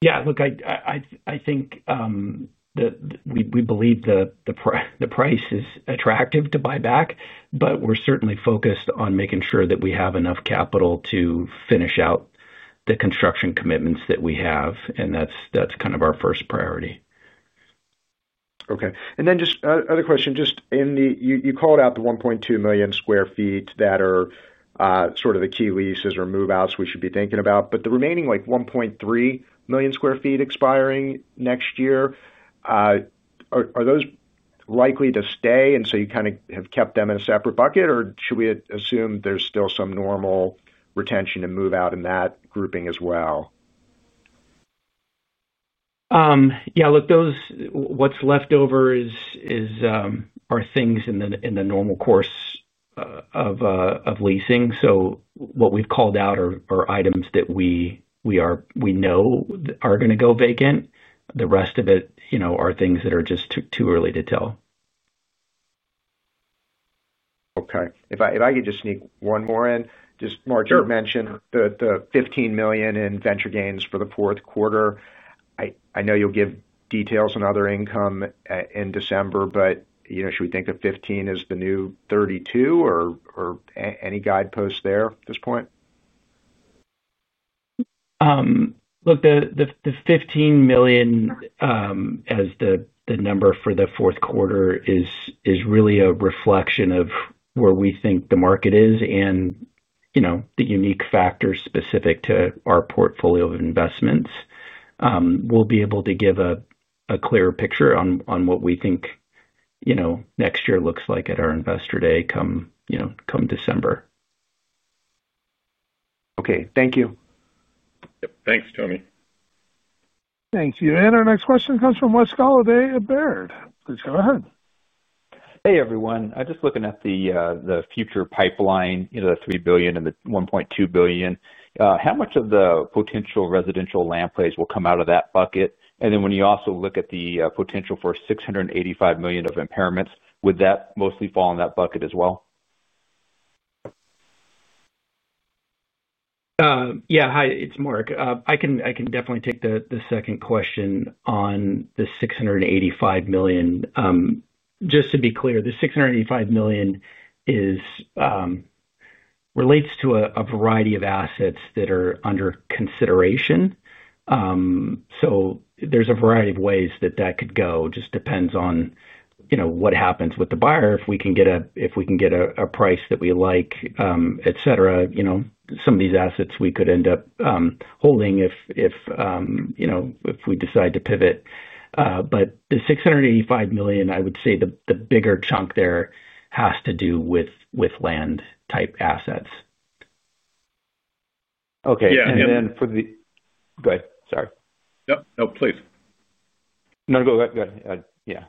Yeah, look, I think that we believe the price is attractive to buy back, but we're certainly focused on making sure that we have enough capital to finish out the construction commitments that we have. That's kind of our first priority. Okay. Just another question. In the you called out the $1.2 million square feet that are sort of the key leases or move-outs we should be thinking about. The remaining like $1.3 million square feet expiring next year, are those likely to stay? You kind of have kept them in a separate bucket, or should we assume there's still some normal retention and move-out in that grouping as well? Yeah, look, what's left over are things in the normal course of leasing. What we've called out are items that we know are going to go vacant. The rest of it are things that are just too early to tell. Okay. If I could just sneak one more in. Marc, you mentioned the $15 million in venture gains for the fourth quarter. I know you'll give details on other income in December, but should we think of $15 million as the new $32 million, or any guideposts there at this point? Look, the $15 million as the number for the fourth quarter is really a reflection of where we think the market is and, you know, the unique factors specific to our portfolio of investments. We'll be able to give a clearer picture on what we think, you know, next year looks like at our investor day, come December. Okay, thank you. Yep. Thanks, Anthony. Thank you. Our next question comes from Wes Golladay at Baird. Please go ahead. Hey, everyone. I'm just looking at the future pipeline, you know, the $3 billion and the $1.2 billion. How much of the potential residential land plays will come out of that bucket? When you also look at the potential for $685 million of impairments, would that mostly fall in that bucket as well? Yeah. Hi, it's Marc. I can definitely take the second question on the $685 million. Just to be clear, the $685 million relates to a variety of assets that are under consideration. There's a variety of ways that could go. It just depends on what happens with the buyer. If we can get a price that we like, etc., some of these assets we could end up holding if we decide to pivot. The $685 million, I would say the bigger chunk there has to do with land type assets. Okay, for the go ahead. Sorry. Yep, no, please. Go ahead. Yeah.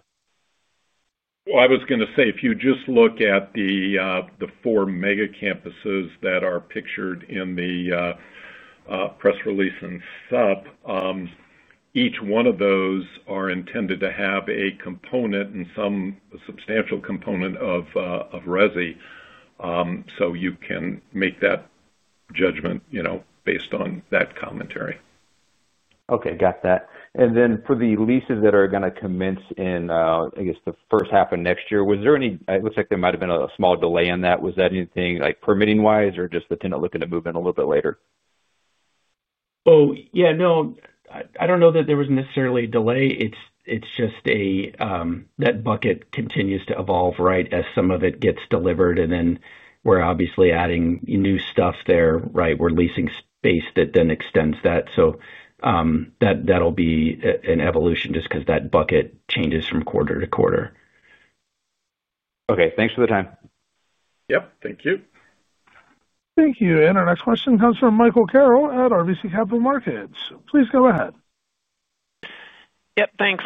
If you just look at the four mega campuses that are pictured in the press release and stuff, each one of those is intended to have a component and some substantial component of RESI. You can make that judgment based on that commentary. Okay. Got that. For the leases that are going to commence in, I guess, the first half of next year, was there any, it looks like there might have been a small delay in that. Was that anything like permitting-wise or just the tenant looking to move in a little bit later? Oh, yeah. No, I don't know that there was necessarily a delay. It's just that bucket continues to evolve, right, as some of it gets delivered. We're obviously adding new stuff there, right? We're leasing space that then extends that. That'll be an evolution just because that bucket changes from quarter-to-quarter. Okay, thanks for the time. Thank you. Thank you. Our next question comes from Michael Carroll at RBC Capital Markets. Please go ahead. Yep. Thanks.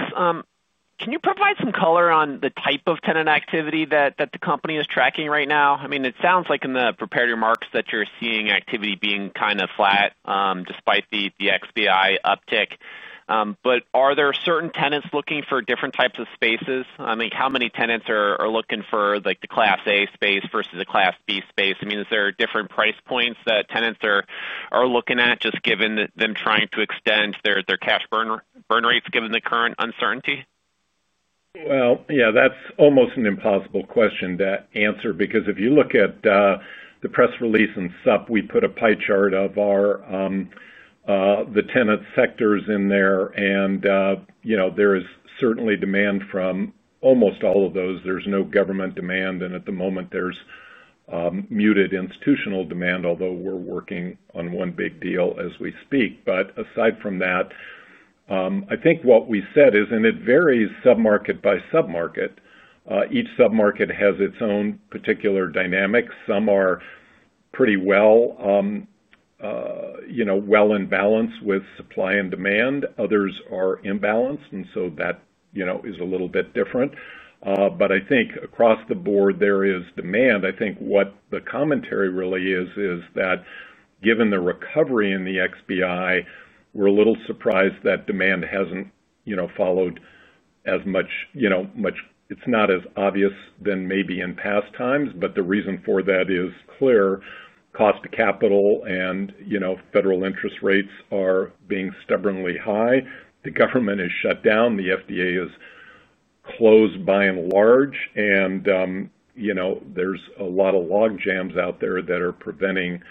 Can you provide some color on the type of tenant activity that the company is tracking right now? I mean, it sounds like in the prepared remarks that you're seeing activity being kind of flat, despite the XBI uptick. Are there certain tenants looking for different types of spaces? I mean, how many tenants are looking for like the Class A space versus a Class B space? Is there different price points that tenants are looking at just given that them trying to extend their cash burn rates given the current uncertainty? That's almost an impossible question to answer because if you look at the press release, we put a pie chart of our tenant sectors in there. You know, there is certainly demand from almost all of those. There's no government demand. At the moment, there's muted institutional demand, although we're working on one big deal as we speak. Aside from that, I think what we said is, and it varies submarket by submarket, each submarket has its own particular dynamics. Some are pretty well in balance with supply and demand. Others are imbalanced. That is a little bit different. I think across the board, there is demand. I think what the commentary really is, is that given the recovery in the XBI, we're a little surprised that demand hasn't followed as much. It's not as obvious than maybe in past times, but the reason for that is clear. Cost of capital and federal interest rates are being stubbornly high. The government is shut down. The FDA is closed by and large. There's a lot of logjams out there that are preventing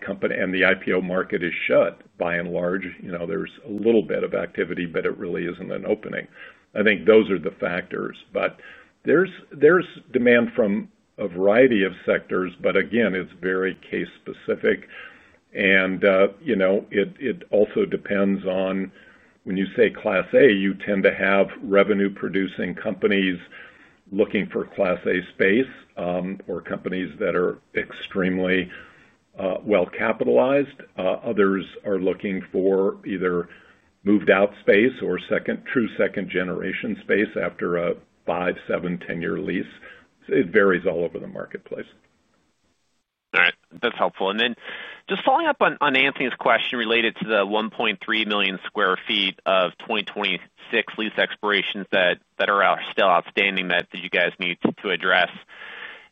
company, and the IPO market is shut by and large. There's a little bit of activity, but it really isn't an opening. I think those are the factors. There's demand from a variety of sectors, but again, it's very case-specific. It also depends on when you say Class A, you tend to have revenue-producing companies looking for Class A space, or companies that are extremely well-capitalized. Others are looking for either moved-out space or true second-generation space after a five, seven, 10-year lease. It varies all over the marketplace. All right. That's helpful. Just following up on Anthony's question related to the 1.3 million square feet of 2026 lease expirations that are still outstanding that you guys need to address.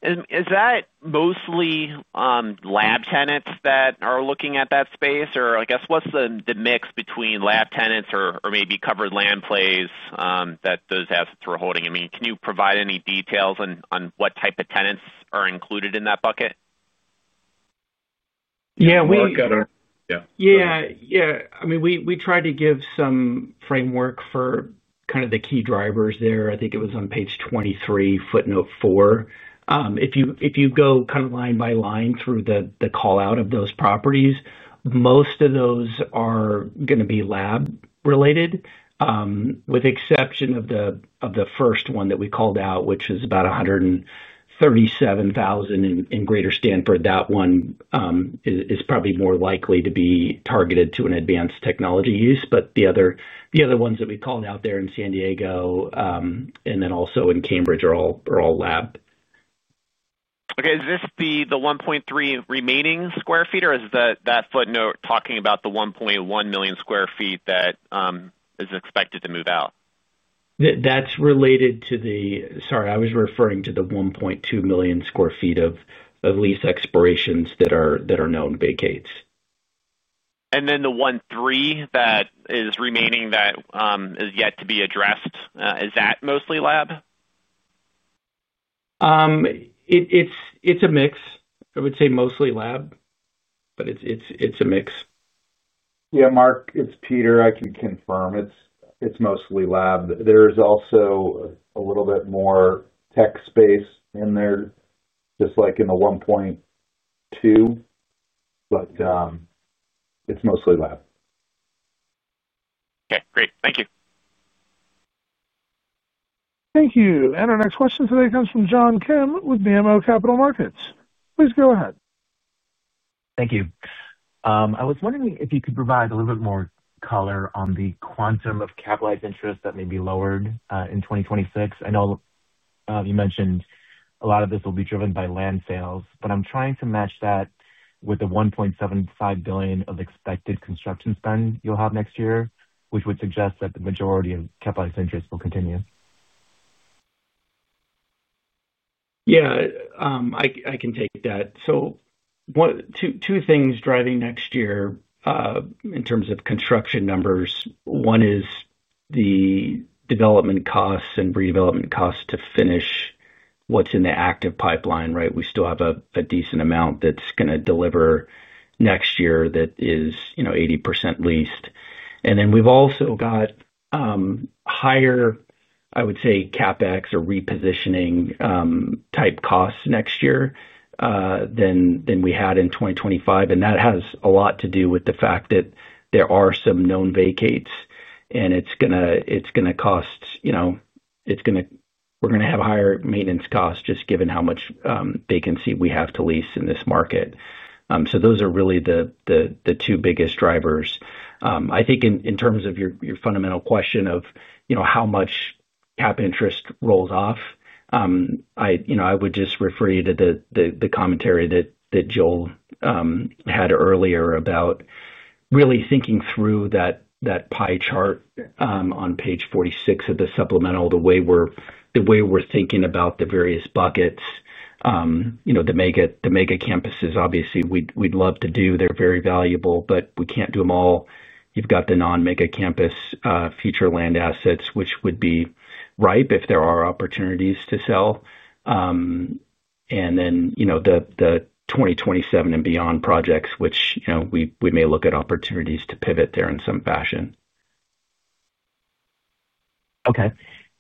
Is that mostly lab tenants that are looking at that space, or what's the mix between lab tenants or maybe covered land plays that those assets are holding? Can you provide any details on what type of tenants are included in that bucket? Yeah, we. Yeah, yeah. I mean, we tried to give some framework for kind of the key drivers there. I think it was on page 23, footnote 4. If you go kind of line by line through the callout of those properties, most of those are going to be lab-related, with the exception of the first one that we called out, which is about 137,000 in Greater Stanford. That one is probably more likely to be targeted to an advanced technology use. The other ones that we called out there in San Diego, and then also in Cambridge, are all lab. Okay. Is this the 1.3 remaining sq ft, or is that footnote talking about the 1.1 million sq ft that is expected to move out? That's related to the, I was referring to the $1.2 million sq ft of lease expirations that are known vacates. The $1.3 billion that is remaining, that is yet to be addressed, is that mostly lab? It's a mix. I would say mostly lab, but it's a mix. Yeah, Marc, it's Peter. I can confirm it's mostly lab. There's also a little bit more tech space in there, just like in the 1.2, but it's mostly lab. Okay. Great. Thank you. Thank you. Our next question today comes from John Kim with BMO Capital Markets. Please go ahead. Thank you. I was wondering if you could provide a little bit more color on the quantum of capitalized interest that may be lowered, in 2026. I know you mentioned a lot of this will be driven by land sales, but I'm trying to match that with the $1.75 billion of expected construction spend you'll have next year, which would suggest that the majority of capitalized interest will continue. Yeah, I can take that. Two things driving next year, in terms of construction numbers. One is the development costs and redevelopment costs to finish what's in the active pipeline, right? We still have a decent amount that's going to deliver next year that is, you know, 80% leased. We've also got higher, I would say, CapEx or repositioning type costs next year than we had in 2025. That has a lot to do with the fact that there are some known vacates, and it's going to cost, you know, we're going to have higher maintenance costs just given how much vacancy we have to lease in this market. Those are really the two biggest drivers. I think in terms of your fundamental question of, you know, how much cap interest rolls off, I would just refer you to the commentary that Joel had earlier about really thinking through that pie chart on page 46 of the supplemental, the way we're thinking about the various buckets. The mega campuses, obviously, we'd love to do. They're very valuable, but we can't do them all. You've got the non-mega campus, future land assets, which would be ripe if there are opportunities to sell. The 2027 and beyond projects, we may look at opportunities to pivot there in some fashion. Okay.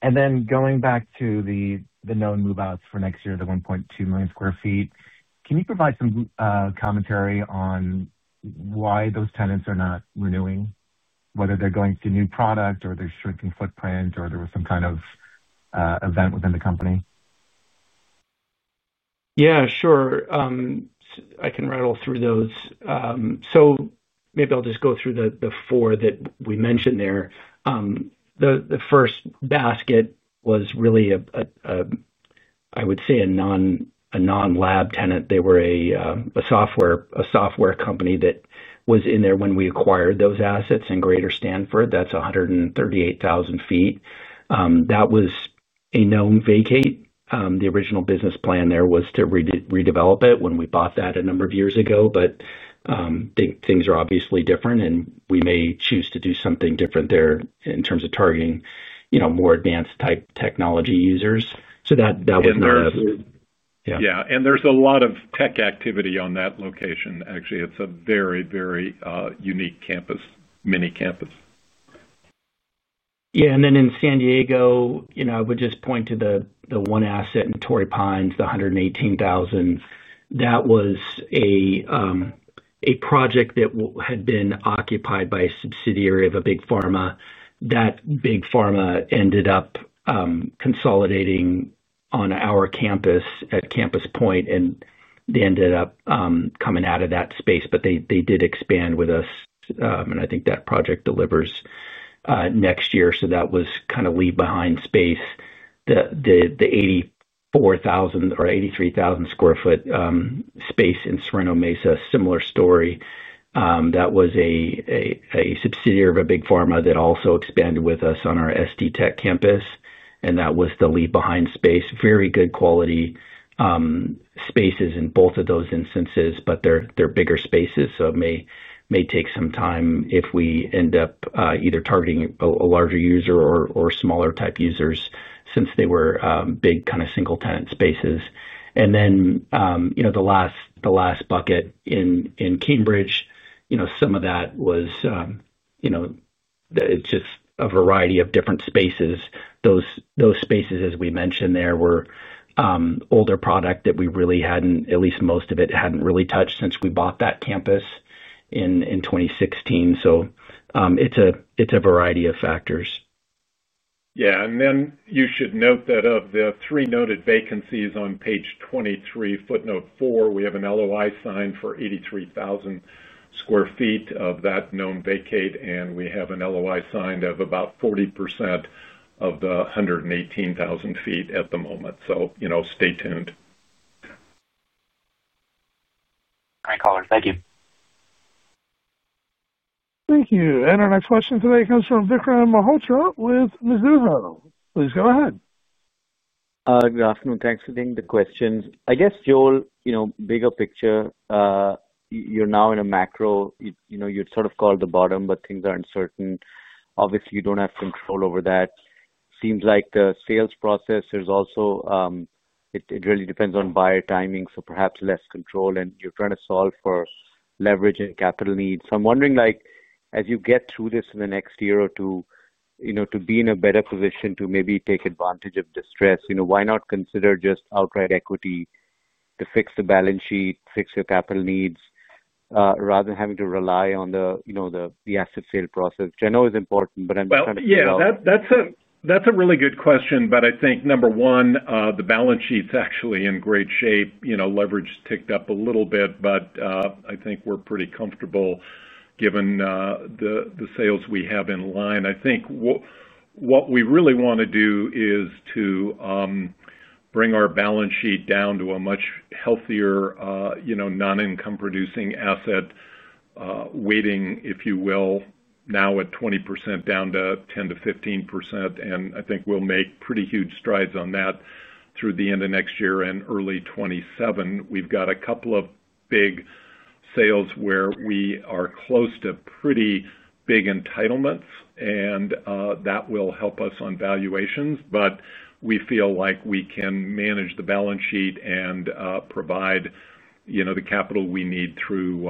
Going back to the known move-outs for next year, the $1.2 million square feet, can you provide some commentary on why those tenants are not renewing, whether they're going to new product or they're shrinking footprint or there was some kind of event within the company? Yeah, sure. I can rattle through those. Maybe I'll just go through the four that we mentioned there. The first basket was really a non-lab tenant. They were a software company that was in there when we acquired those assets in Greater Stanford. That's 138,000 feet. That was a known vacate. The original business plan there was to redevelop it when we bought that a number of years ago. Things are obviously different, and we may choose to do something different there in terms of targeting more advanced type technology users. That was another. Yeah, there's a lot of tech activity on that location. Actually, it's a very, very unique campus, mini campus. Yeah. In San Diego, I would just point to the one asset in Torrey Pines, the 118,000. That was a project that had been occupied by a subsidiary of a big pharma. That big pharma ended up consolidating on our campus at Campus Point, and they ended up coming out of that space. They did expand with us, and I think that project delivers next year. That was kind of leave-behind space. The 84,000 sq ft or 83,000 sq ft space in Sereno Mesa, similar story. That was a subsidiary of a big pharma that also expanded with us on our SD Tech campus. That was the leave-behind space. Very good quality spaces in both of those instances, but they're bigger spaces. It may take some time if we end up either targeting a larger user or smaller type users since they were big kind of single-tenant spaces. The last bucket in Cambridge, some of that was just a variety of different spaces. Those spaces, as we mentioned there, were older product that we really hadn't, at least most of it hadn't really touched since we bought that campus in 2016. It's a variety of factors. You should note that of the three noted vacancies on page 23, footnote 4, we have an LOI signed for 83,000 sq ft of that known vacate, and we have an LOI signed of about 40% of the 118,000 ft at the moment. Stay tuned. Great caller. Thank you. Thank you. Our next question today comes from Vikram Malhotra with Mizuho. Please go ahead. Good afternoon. Thanks for taking the questions. I guess, Joel, you know, bigger picture, you're now in a macro. You'd sort of call the bottom, but things are uncertain. Obviously, you don't have control over that. It seems like the sales process really depends on buyer timing, so perhaps less control, and you're trying to solve for leverage and capital needs. I'm wondering, as you get through this in the next year or two, to be in a better position to maybe take advantage of distress, why not consider just outright equity to fix the balance sheet, fix your capital needs, rather than having to rely on the asset sale process, which I know is important, but I'm trying to figure out. Yeah, that's a really good question. I think, number one, the balance sheet's actually in great shape. Leverage's ticked up a little bit, but I think we're pretty comfortable given the sales we have in line. What we really want to do is to bring our balance sheet down to a much healthier, you know, non-income-producing asset weighting, if you will, now at 20% down to 10%-15%. I think we'll make pretty huge strides on that through the end of next year and early 2027. We've got a couple of big sales where we are close to pretty big entitlements, and that will help us on valuations. We feel like we can manage the balance sheet and provide the capital we need through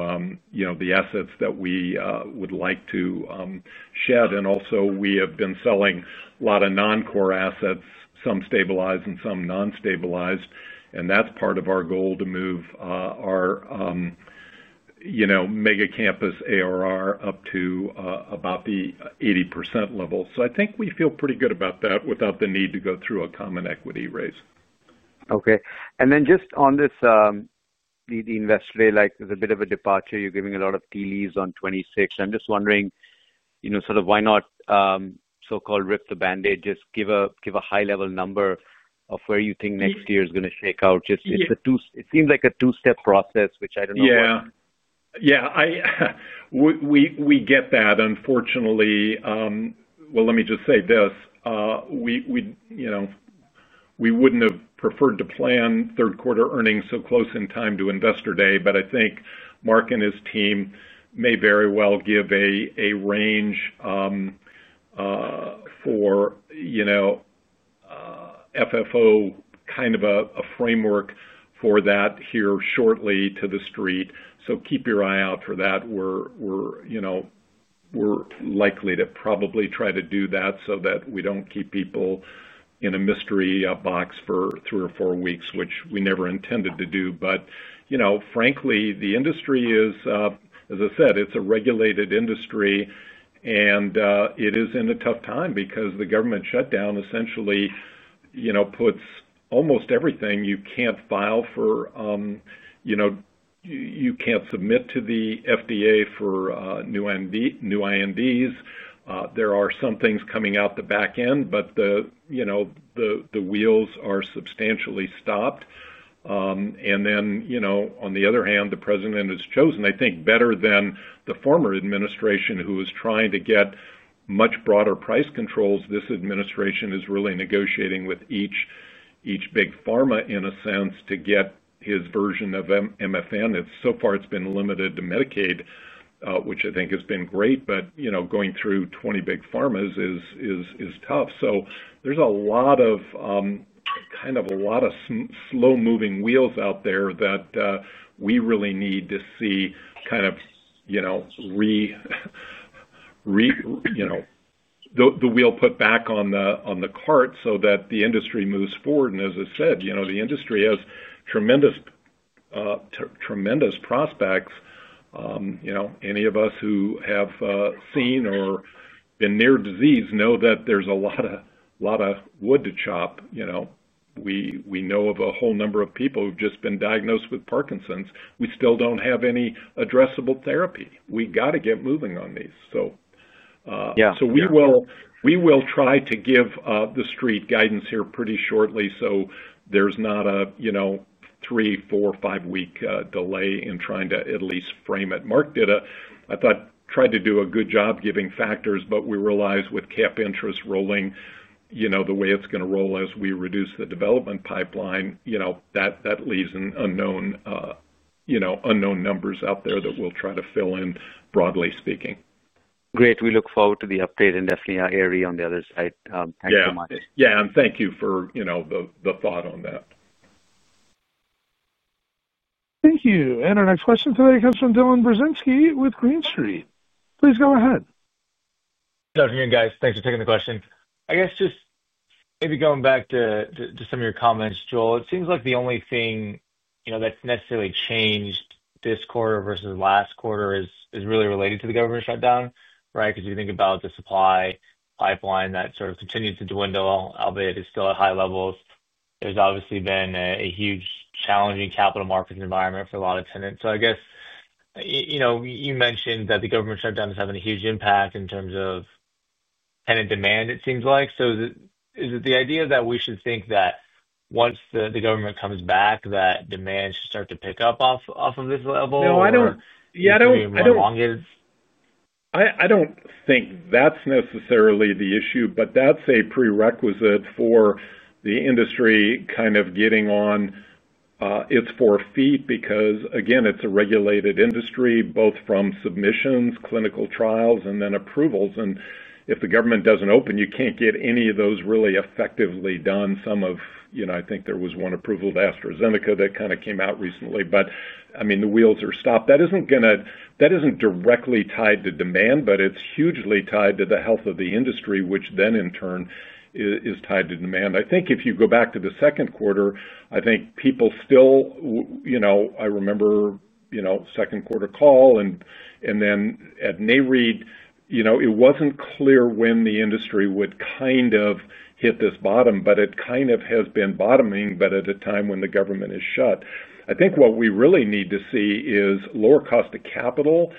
the assets that we would like to shed. Also, we have been selling a lot of non-core assets, some stabilized and some non-stabilized. That's part of our goal to move our mega campus ARR up to about the 80% level. I think we feel pretty good about that without the need to go through a common equity raise. Okay. On the investor day, there's a bit of a departure. You're giving a lot of tea leaves on 2026. I'm just wondering, you know, sort of why not so-called rip the band-aid, just give a high-level number of where you think next year is going to shake out. It seems like a two-step process, which I don't know about. Yeah. We get that. Unfortunately, let me just say this. We wouldn't have preferred to plan third-quarter earnings so close in time to investor day, but I think Marc and his team may very well give a range for, you know, FFO, kind of a framework for that here shortly to the street. Keep your eye out for that. We're likely to probably try to do that so that we don't keep people in a mystery box for three or four weeks, which we never intended to do. Frankly, the industry is, as I said, it's a regulated industry, and it is in a tough time because the government shutdown essentially puts almost everything— you can't file for, you know, you can't submit to the FDA for new INDs. There are some things coming out the back end, but the wheels are substantially stopped. On the other hand, the president has chosen, I think, better than the former administration who was trying to get much broader price controls. This administration is really negotiating with each big pharma, in a sense, to get his version of MFN. So far, it's been limited to Medicaid, which I think has been great, but going through 20 big pharmas is tough. There's a lot of slow-moving wheels out there that we really need to see, kind of, the wheel put back on the cart so that the industry moves forward. As I said, the industry has tremendous, tremendous prospects. Any of us who have seen or been near disease know that there's a lot of wood to chop. We know of a whole number of people who've just been diagnosed with Parkinson's. We still don't have any addressable therapy. We got to get moving on these. We will try to give the street guidance here pretty shortly so there's not a three, four, five-week delay in trying to at least frame it. Marc did, I thought, try to do a good job giving factors, but we realized with cap interest rolling, the way it's going to roll as we reduce the development pipeline, that leaves unknown numbers out there that we'll try to fill in, broadly speaking. Great. We look forward to the update and definitely our area on the other side. Thanks so much. Yeah, thank you for the thought on that. Thank you. Our next question today comes from Dylan Burzinski with Green Street. Please go ahead. Good afternoon, guys. Thanks for taking the question. I guess just maybe going back to some of your comments, Joel, it seems like the only thing that's necessarily changed this quarter versus last quarter is really related to the government shutdown, right? Because if you think about the supply pipeline that sort of continues to dwindle, albeit it is still at high levels, there's obviously been a huge challenging capital markets environment for a lot of tenants. I guess you mentioned that the government shutdown is having a huge impact in terms of tenant demand, it seems like. Is it the idea that we should think that once the government comes back, that demand should start to pick up off of this level? No, I don't. Yeah, I don't. I don't think that's necessarily the issue, but that's a prerequisite for the industry kind of getting on its four feet because, again, it's a regulated industry. Weoth from submissions, clinical trials, and then approvals. If the government doesn't open, you can't get any of those really effectively done. I think there was one approval of AstraZeneca that kind of came out recently. The wheels are stopped. That isn't directly tied to demand, but it's hugely tied to the health of the industry, which then in turn is tied to demand. If you go back to the second quarter, I think people still, I remember second quarter call and then at Nareit, it wasn't clear when the industry would kind of hit this bottom, but it kind of has been bottoming. At a time when the government is shut, what we really need to see is lower cost of capital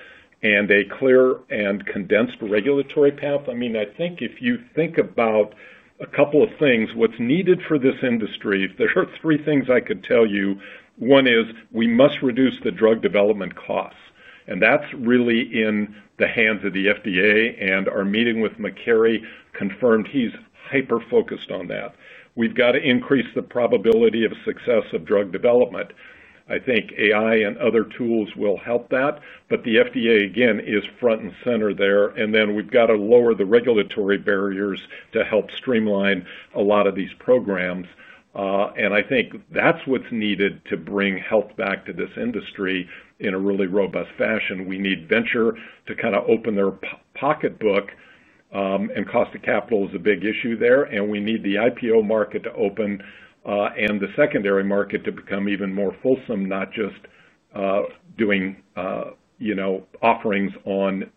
and a clear and condensed regulatory path. If you think about a couple of things, what's needed for this industry, if there are three things I could tell you, one is we must reduce the drug development costs. That's really in the hands of the FDA. Our meeting with Makary confirmed he's hyper-focused on that. We've got to increase the probability of success of drug development. I think AI and other tools will help that. The FDA, again, is front and center there. We've got to lower the regulatory barriers to help streamline a lot of these programs. I think that's what's needed to bring health back to this industry in a really robust fashion. We need venture to kind of open their pocketbook. Cost of capital is a big issue there. We need the IPO market to open, and the secondary market to become even more fulsome, not just doing offerings on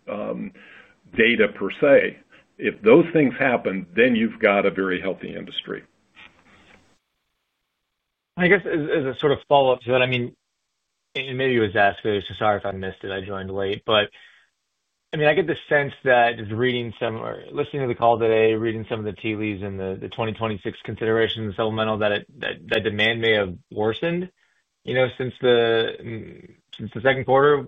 data per se. If those things happen, then you've got a very healthy industry. I guess as a sort of follow-up to that, I mean, and maybe it was asked earlier, so sorry if I missed it. I joined late. I get the sense that just reading some or listening to the call today, reading some of the tea leaves and the 2026 considerations of the supplemental, that demand may have worsened since the second quarter.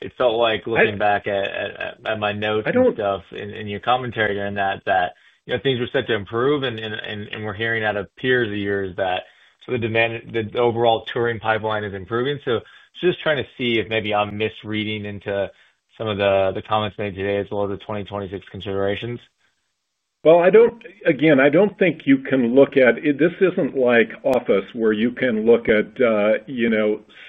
It felt like looking back at my notes and your commentary during that, that things were set to improve. We're hearing out of peers of yours that the demand, the overall touring pipeline is improving. I'm just trying to see if maybe I'm misreading into some of the comments made today as well as the 2026 considerations. I don't think you can look at it. This isn't like office where you can look at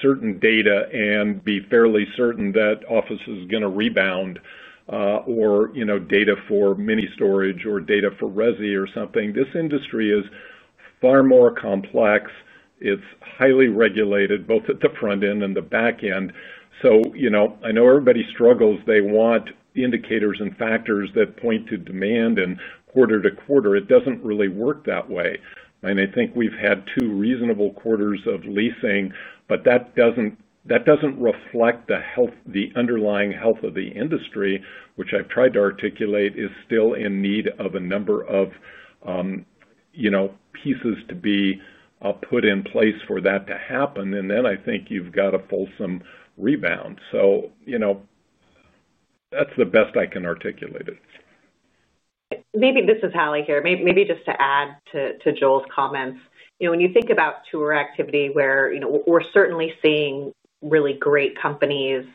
certain data and be fairly certain that office is going to rebound, or data for mini storage or data for resi or something. This industry is far more complex. It's highly regulated both at the front end and the back end. I know everybody struggles. They want indicators and factors that point to demand and quarter to quarter. It doesn't really work that way. I think we've had two reasonable quarters of leasing, but that doesn't reflect the underlying health of the industry, which I've tried to articulate is still in need of a number of pieces to be put in place for that to happen. I think you've got a fulsome rebound. That's the best I can articulate it. Maybe this is Hallie here. Maybe just to add to Joel's comments. You know, when you think about tour activity, we're certainly seeing really great companies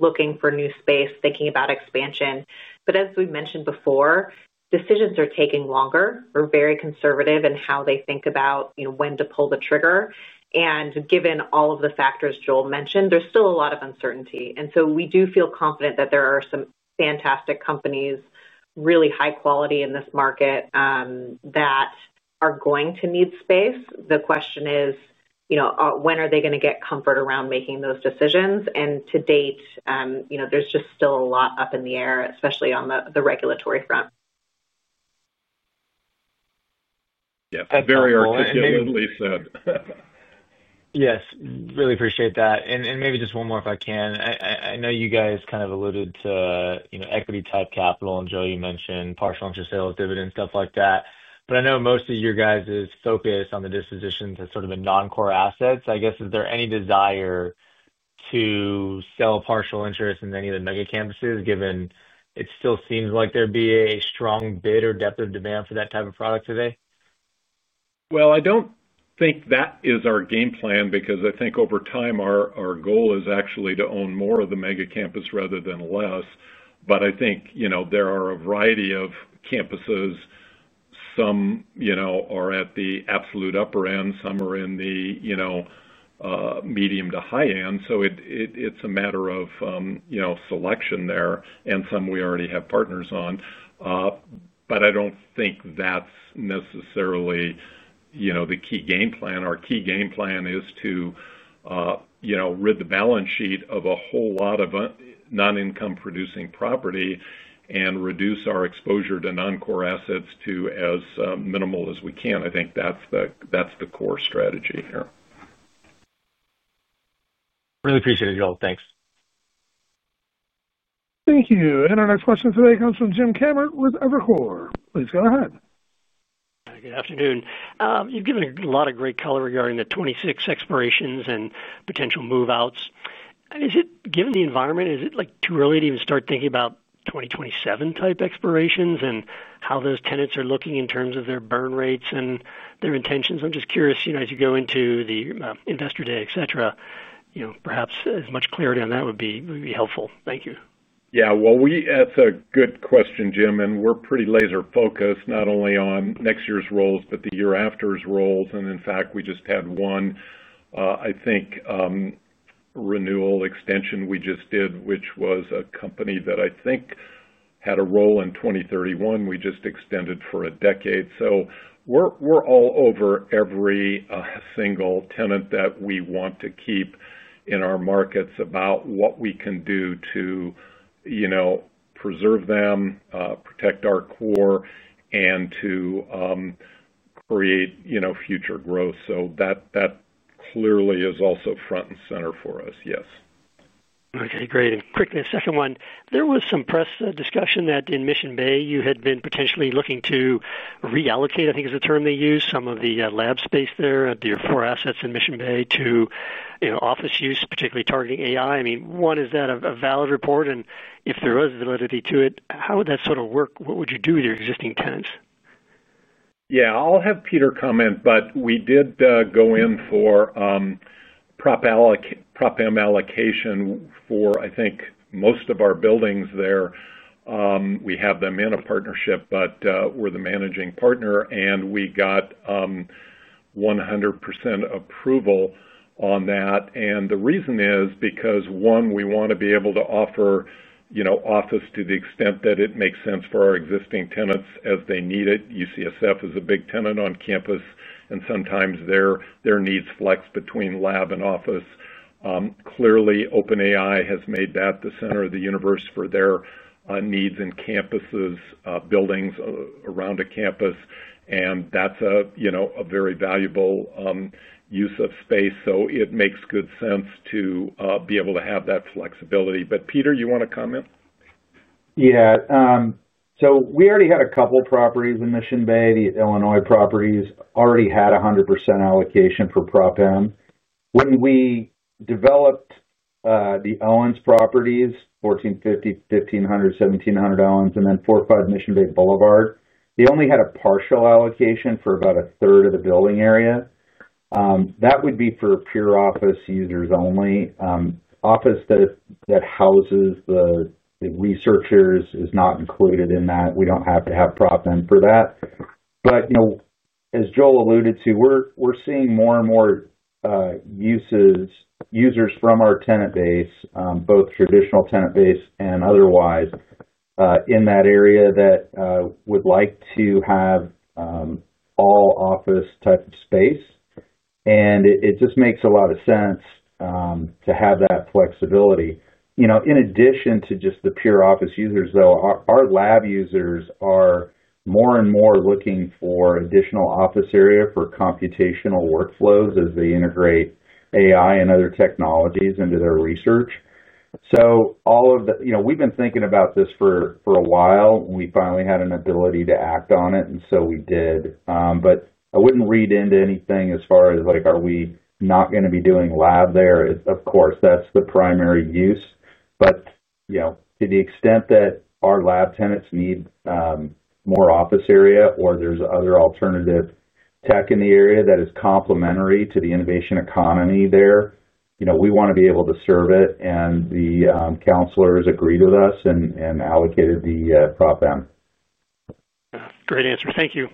looking for new space, thinking about expansion. As we mentioned before, decisions are taking longer. They're very conservative in how they think about when to pull the trigger. Given all of the factors Joel mentioned, there's still a lot of uncertainty. We do feel confident that there are some fantastic companies, really high quality in this market, that are going to need space. The question is, when are they going to get comfort around making those decisions? To date, there's just still a lot up in the air, especially on the regulatory front. Yes. Really appreciate that. Maybe just one more if I can. I know you guys kind of alluded to, you know, equity type capital and Joel, you mentioned partial interest sales, dividends, stuff like that. I know most of your guys' focus is on the disposition of non-core assets. I guess, is there any desire to sell partial interest in any of the mega campuses, given it still seems like there'd be a strong bid or depth of demand for that type of product today? I don't think that is our game plan because I think over time our goal is actually to own more of the mega campus rather than less. I think there are a variety of campuses. Some are at the absolute upper end. Some are in the medium to high end. It is a matter of selection there. Some we already have partners on. I don't think that's necessarily the key game plan. Our key game plan is to rid the balance sheet of a whole lot of non-income producing property and reduce our exposure to non-core assets to as minimal as we can. I think that's the core strategy here. Really appreciate it, Joel. Thanks. Thank you. Our next question today comes from James Kammert with Evercore. Please go ahead. Hi, good afternoon. You've given a lot of great color regarding the 26 expirations and potential move-outs. Is it, given the environment, too early to even start thinking about 2027 type expirations and how those tenants are looking in terms of their burn rates and their intentions? I'm just curious, as you go into the investor day, etc., perhaps as much clarity on that would be helpful. Thank you. Yeah, that's a good question, Jim. We're pretty laser focused, not only on next year's rolls, but the year after's rolls. In fact, we just had one renewal extension we just did, which was a company that I think had a roll in 2031. We just extended for a decade. We're all over every single tenant that we want to keep in our markets about what we can do to preserve them, protect our core, and to create future growth. That clearly is also front and center for us. Yes. Okay. Great. Quickly, a second one. There was some press discussion that in Mission Bay, you had been potentially looking to reallocate, I think is the term they use, some of the lab space there, the four assets in Mission Bay to, you know, office use, particularly targeting AI. One, is that a valid report? If there is validity to it, how would that sort of work? What would you do with your existing tenants? Yeah. I'll have Peter comment, but we did go in for Prop M allocation for, I think, most of our buildings there. We have them in a partnership, but we're the managing partner, and we got 100% approval on that. The reason is because, one, we want to be able to offer, you know, office to the extent that it makes sense for our existing tenants as they need it. UCSF is a big tenant on campus, and sometimes their needs flex between lab and office. Clearly, OpenAI has made that the center of the universe for their needs in campuses, buildings around a campus, and that's a, you know, a very valuable use of space. It makes good sense to be able to have that flexibility. Peter, you want to comment? Yeah. We already had a couple of properties in Mission Bay. The Illinois properties already had a 100% allocation for Prop M. When we developed the Owens properties, 1450, 1500, 1700 Owens, and then 45 Mission Bay Boulevard, they only had a partial allocation for about a third of the building area. That would be for pure office users only. Office that houses the researchers is not included in that. We don't have to have Prop M for that. As Joel alluded to, we're seeing more and more users from our tenant base, both traditional tenant base and otherwise, in that area that would like to have all office type of space. It just makes a lot of sense to have that flexibility. In addition to just the pure office users, our lab users are more and more looking for additional office area for computational workflows as they integrate AI and other technologies into their research. We've been thinking about this for a while, and we finally had an ability to act on it, and so we did. I wouldn't read into anything as far as, are we not going to be doing lab there? Of course, that's the primary use. To the extent that our lab tenants need more office area or there's other alternative tech in the area that is complementary to the innovation economy there, we want to be able to serve it. The counselors agreed with us and allocated the Prop M. Great answers. Thank you.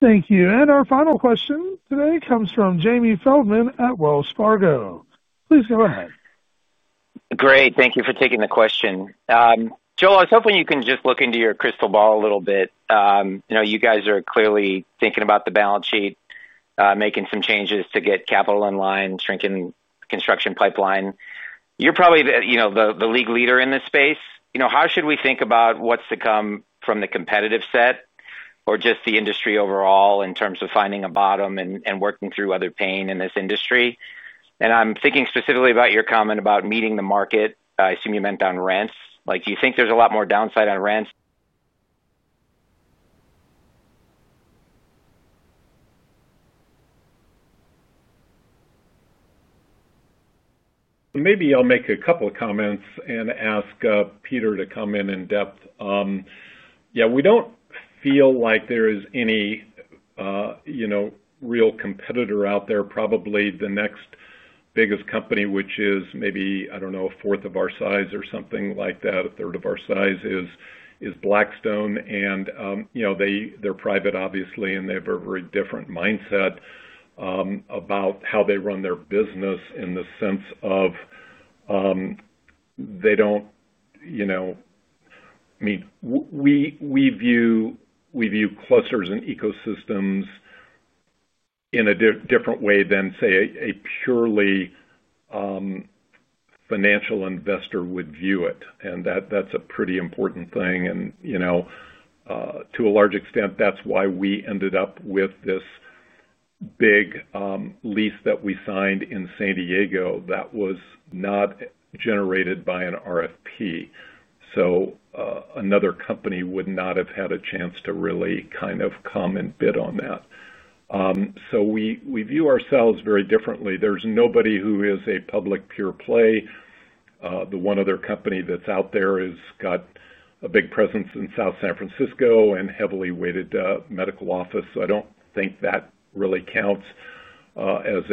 Thank you. Our final question today comes from Jamie Feldman at Wells Fargo. Please go ahead. Great. Thank you for taking the question. Joel, I was hoping you can just look into your crystal ball a little bit. You know, you guys are clearly thinking about the balance sheet, making some changes to get capital in line, shrinking construction pipeline. You're probably the, you know, the league leader in this space. You know, how should we think about what's to come from the competitive set or just the industry overall in terms of finding a bottom and working through other pain in this industry? I'm thinking specifically about your comment about meeting the market. I assume you meant on rents. Like, do you think there's a lot more downside on rents? Maybe I'll make a couple of comments and ask Peter to come in in depth. Yeah, we don't feel like there is any real competitor out there. Probably the next biggest company, which is maybe, I don't know, a fourth of our size or something like that, a third of our size, is Blackstone. They're private, obviously, and they have a very different mindset about how they run their business in the sense of, they don't, you know, I mean, we view clusters and ecosystems in a different way than, say, a purely financial investor would view it. That's a pretty important thing. To a large extent, that's why we ended up with this big lease that we signed in San Diego that was not generated by an RFP. Another company would not have had a chance to really kind of come and bid on that. We view ourselves very differently. There's nobody who is a public pure play. The one other company that's out there has got a big presence in South San Francisco and heavily weighted medical office. I don't think that really counts as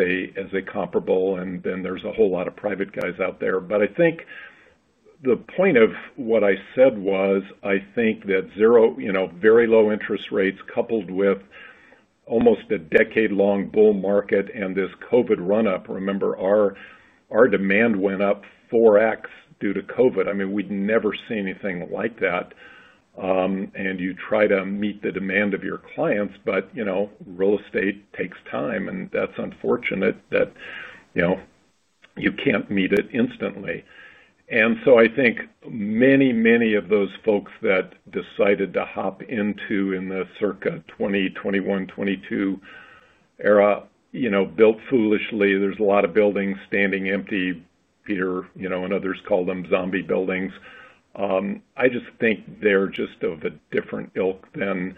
a comparable. There are a whole lot of private guys out there. I think the point of what I said was, I think that zero, very low interest rates coupled with almost a decade-long bull market and this COVID run-up. Remember, our demand went up 4X due to COVID. We'd never seen anything like that. You try to meet the demand of your clients, but real estate takes time. It's unfortunate that you can't meet it instantly. I think many of those folks that decided to hop into in the circa 2021, 2022 era built foolishly. There's a lot of buildings standing empty. Peter and others call them zombie buildings. I just think they're just of a different ilk than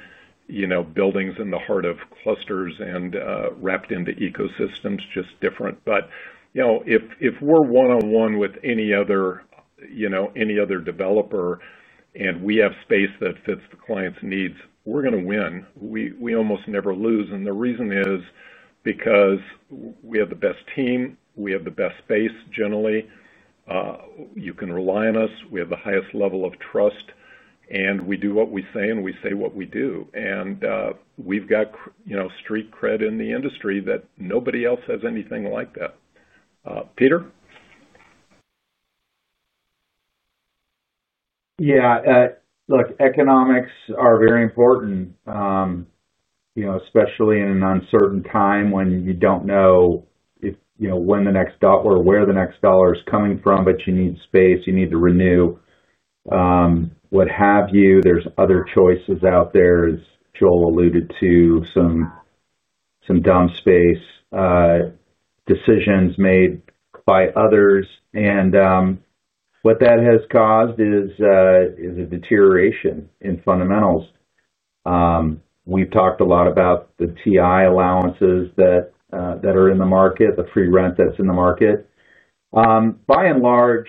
buildings in the heart of clusters and wrapped into ecosystems, just different. If we're one-on-one with any other developer and we have space that fits the client's needs, we're going to win. We almost never lose. The reason is because we have the best team. We have the best space generally. You can rely on us. We have the highest level of trust. We do what we say, and we say what we do. We've got street cred in the industry that nobody else has anything like that. Peter? Yeah. Look, economics are very important, you know, especially in an uncertain time when you don't know if, you know, when the next dollar or where the next dollar is coming from, but you need space, you need to renew, what have you. There are other choices out there, as Joel alluded to, some dumb space decisions made by others. What that has caused is a deterioration in fundamentals. We've talked a lot about the TI allowances that are in the market, the free rent that's in the market. By and large,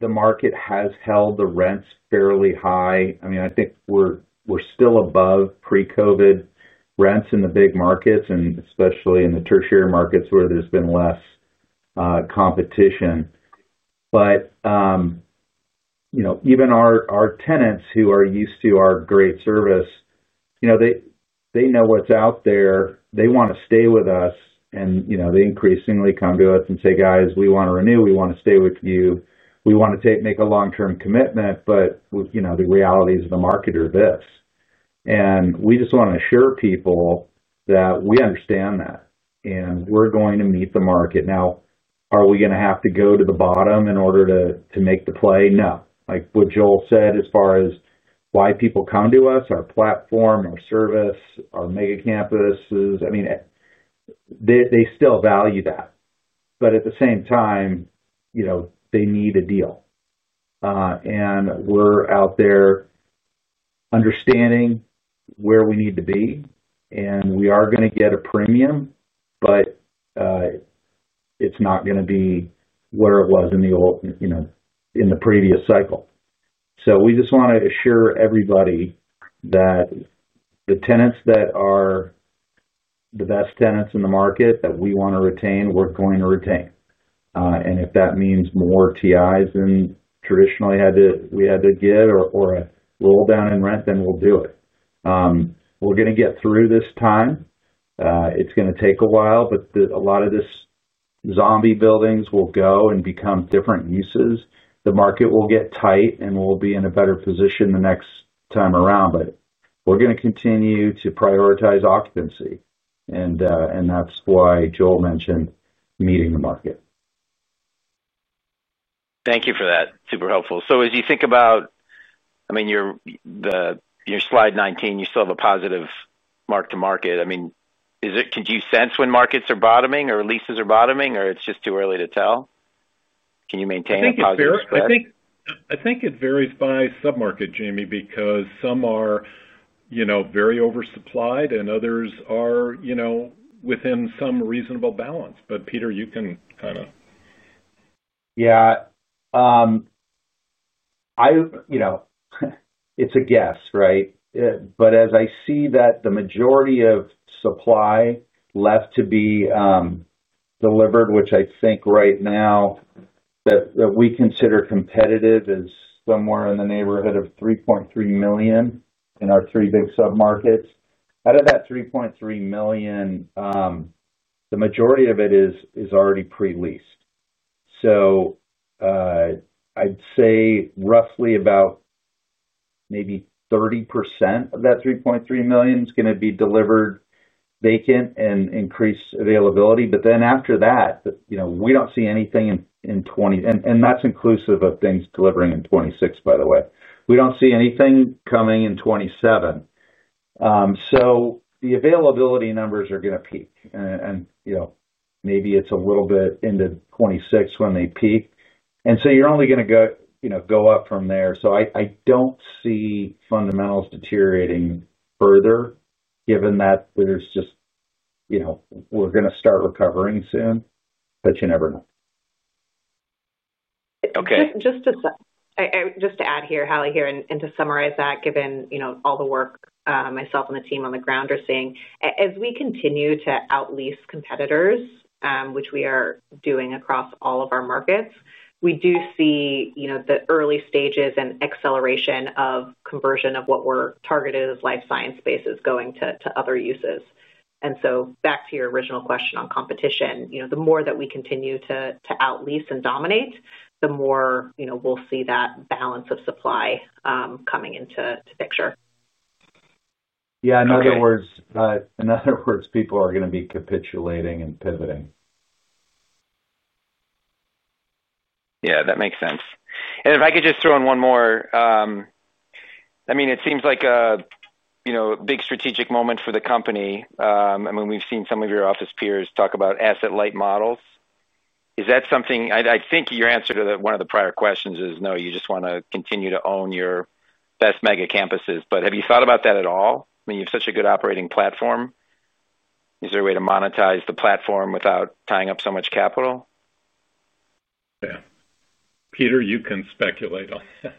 the market has held the rents fairly high. I mean, I think we're still above pre-COVID rents in the big markets, and especially in the tertiary markets where there's been less competition. Even our tenants who are used to our great service, you know, they know what's out there. They want to stay with us, and they increasingly come to us and say, "Guys, we want to renew. We want to stay with you. We want to make a long-term commitment, but we, you know, the realities of the market are this." We just want to assure people that we understand that, and we're going to meet the market. Now, are we going to have to go to the bottom in order to make the play? No. Like what Joel said as far as why people come to us, our platform, our service, our mega campuses, I mean, they still value that. At the same time, you know, they need a deal, and we're out there understanding where we need to be. We are going to get a premium, but it's not going to be where it was in the previous cycle. We just want to assure everybody that the tenants that are the best tenants in the market that we want to retain, we're going to retain, and if that means more TIs than we traditionally had to give or a roll-down in rent, then we'll do it. We're going to get through this time. It's going to take a while, but a lot of these zombie buildings will go and become different uses. The market will get tight, and we'll be in a better position the next time around. We're going to continue to prioritize occupancy, and that's why Joel mentioned meeting the market. Thank you for that. Super helpful. As you think about your slide 19, you saw the positive mark to market. Could you sense when markets are bottoming or leases are bottoming, or it's just too early to tell? Can you maintain a positive perspective? I think it varies by submarket, Jamie, because some are very oversupplied and others are within some reasonable balance. Peter, you can kind of. Yeah, you know, it's a guess, right? As I see it, the majority of supply left to be delivered, which I think right now that we consider competitive, is somewhere in the neighborhood of 3.3 million in our three big submarkets. Out of that 3.3 million, the majority of it is already pre-leased. I'd say roughly about maybe 30% of that 3.3 million is going to be delivered vacant and increase availability. After that, we don't see anything in 2026, and that's inclusive of things delivering in 2026, by the way. We don't see anything coming in 2027. The availability numbers are going to peak, and maybe it's a little bit into 2026 when they peak. You're only going to go up from there. I don't see fundamentals deteriorating further, given that there's just, you know, we're going to start recovering soon, but you never know. Okay. Just to add here, Hallie, and to summarize that, given all the work myself and the team on the ground are seeing, as we continue to outlease competitors, which we are doing across all of our markets, we do see the early stages and acceleration of conversion of what we're targeted as life science spaces going to other uses. Back to your original question on competition, the more that we continue to outlease and dominate, the more we'll see that balance of supply coming into the picture. In other words, people are going to be capitulating and pivoting. Yeah, that makes sense. If I could just throw in one more, it seems like a big strategic moment for the company. We've seen some of your office peers talk about asset light models. Is that something—I think your answer to one of the prior questions is no, you just want to continue to own your best mega campuses. Have you thought about that at all? You have such a good operating platform. Is there a way to monetize the platform without tying up so much capital? Yeah, Peter, you can speculate on that.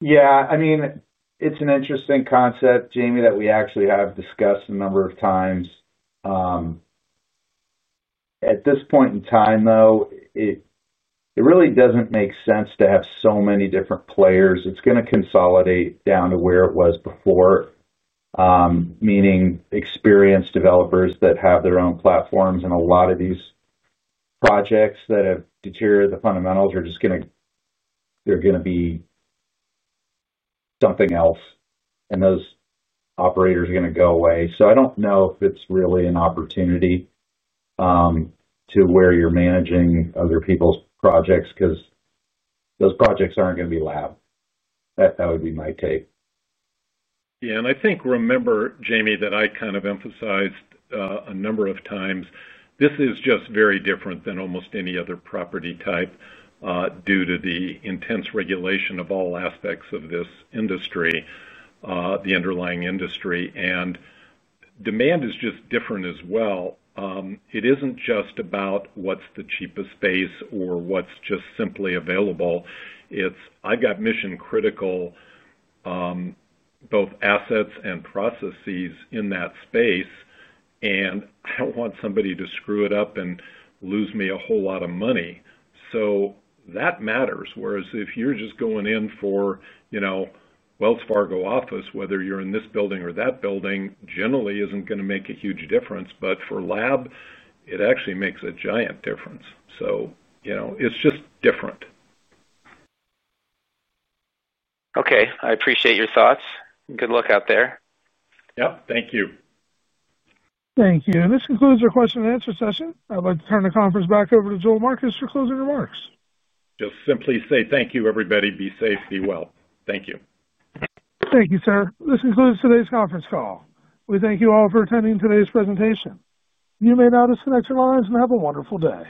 Yeah. I mean, it's an interesting concept, Jamie, that we actually have discussed a number of times. At this point in time, though, it really doesn't make sense to have so many different players. It is going to consolidate down to where it was before, meaning experienced developers that have their own platforms. A lot of these projects that have deteriorated the fundamentals are just going to be something else. Those operators are going to go away. I don't know if it's really an opportunity to where you're managing other people's projects because those projects aren't going to be lab. That would be my take. Yeah. I think, remember, Jamie, that I kind of emphasized a number of times, this is just very different than almost any other property type, due to the intense regulation of all aspects of this industry, the underlying industry. Demand is just different as well. It isn't just about what's the cheapest space or what's just simply available. It's, I've got mission-critical, both assets and processes in that space. I don't want somebody to screw it up and lose me a whole lot of money. That matters. If you're just going in for, you know, Wells Fargo office, whether you're in this building or that building, generally isn't going to make a huge difference. For lab, it actually makes a giant difference. It's just different. Okay, I appreciate your thoughts. Good luck out there. Thank you. Thank you. This concludes our question and answer session. I'd like to turn the conference back over to Joel Marcus for closing remarks. Just simply say thank you, everybody. Be safe. Be well. Thank you. Thank you, sir. This concludes today's conference call. We thank you all for attending today's presentation. You may now disconnect your lines and have a wonderful day.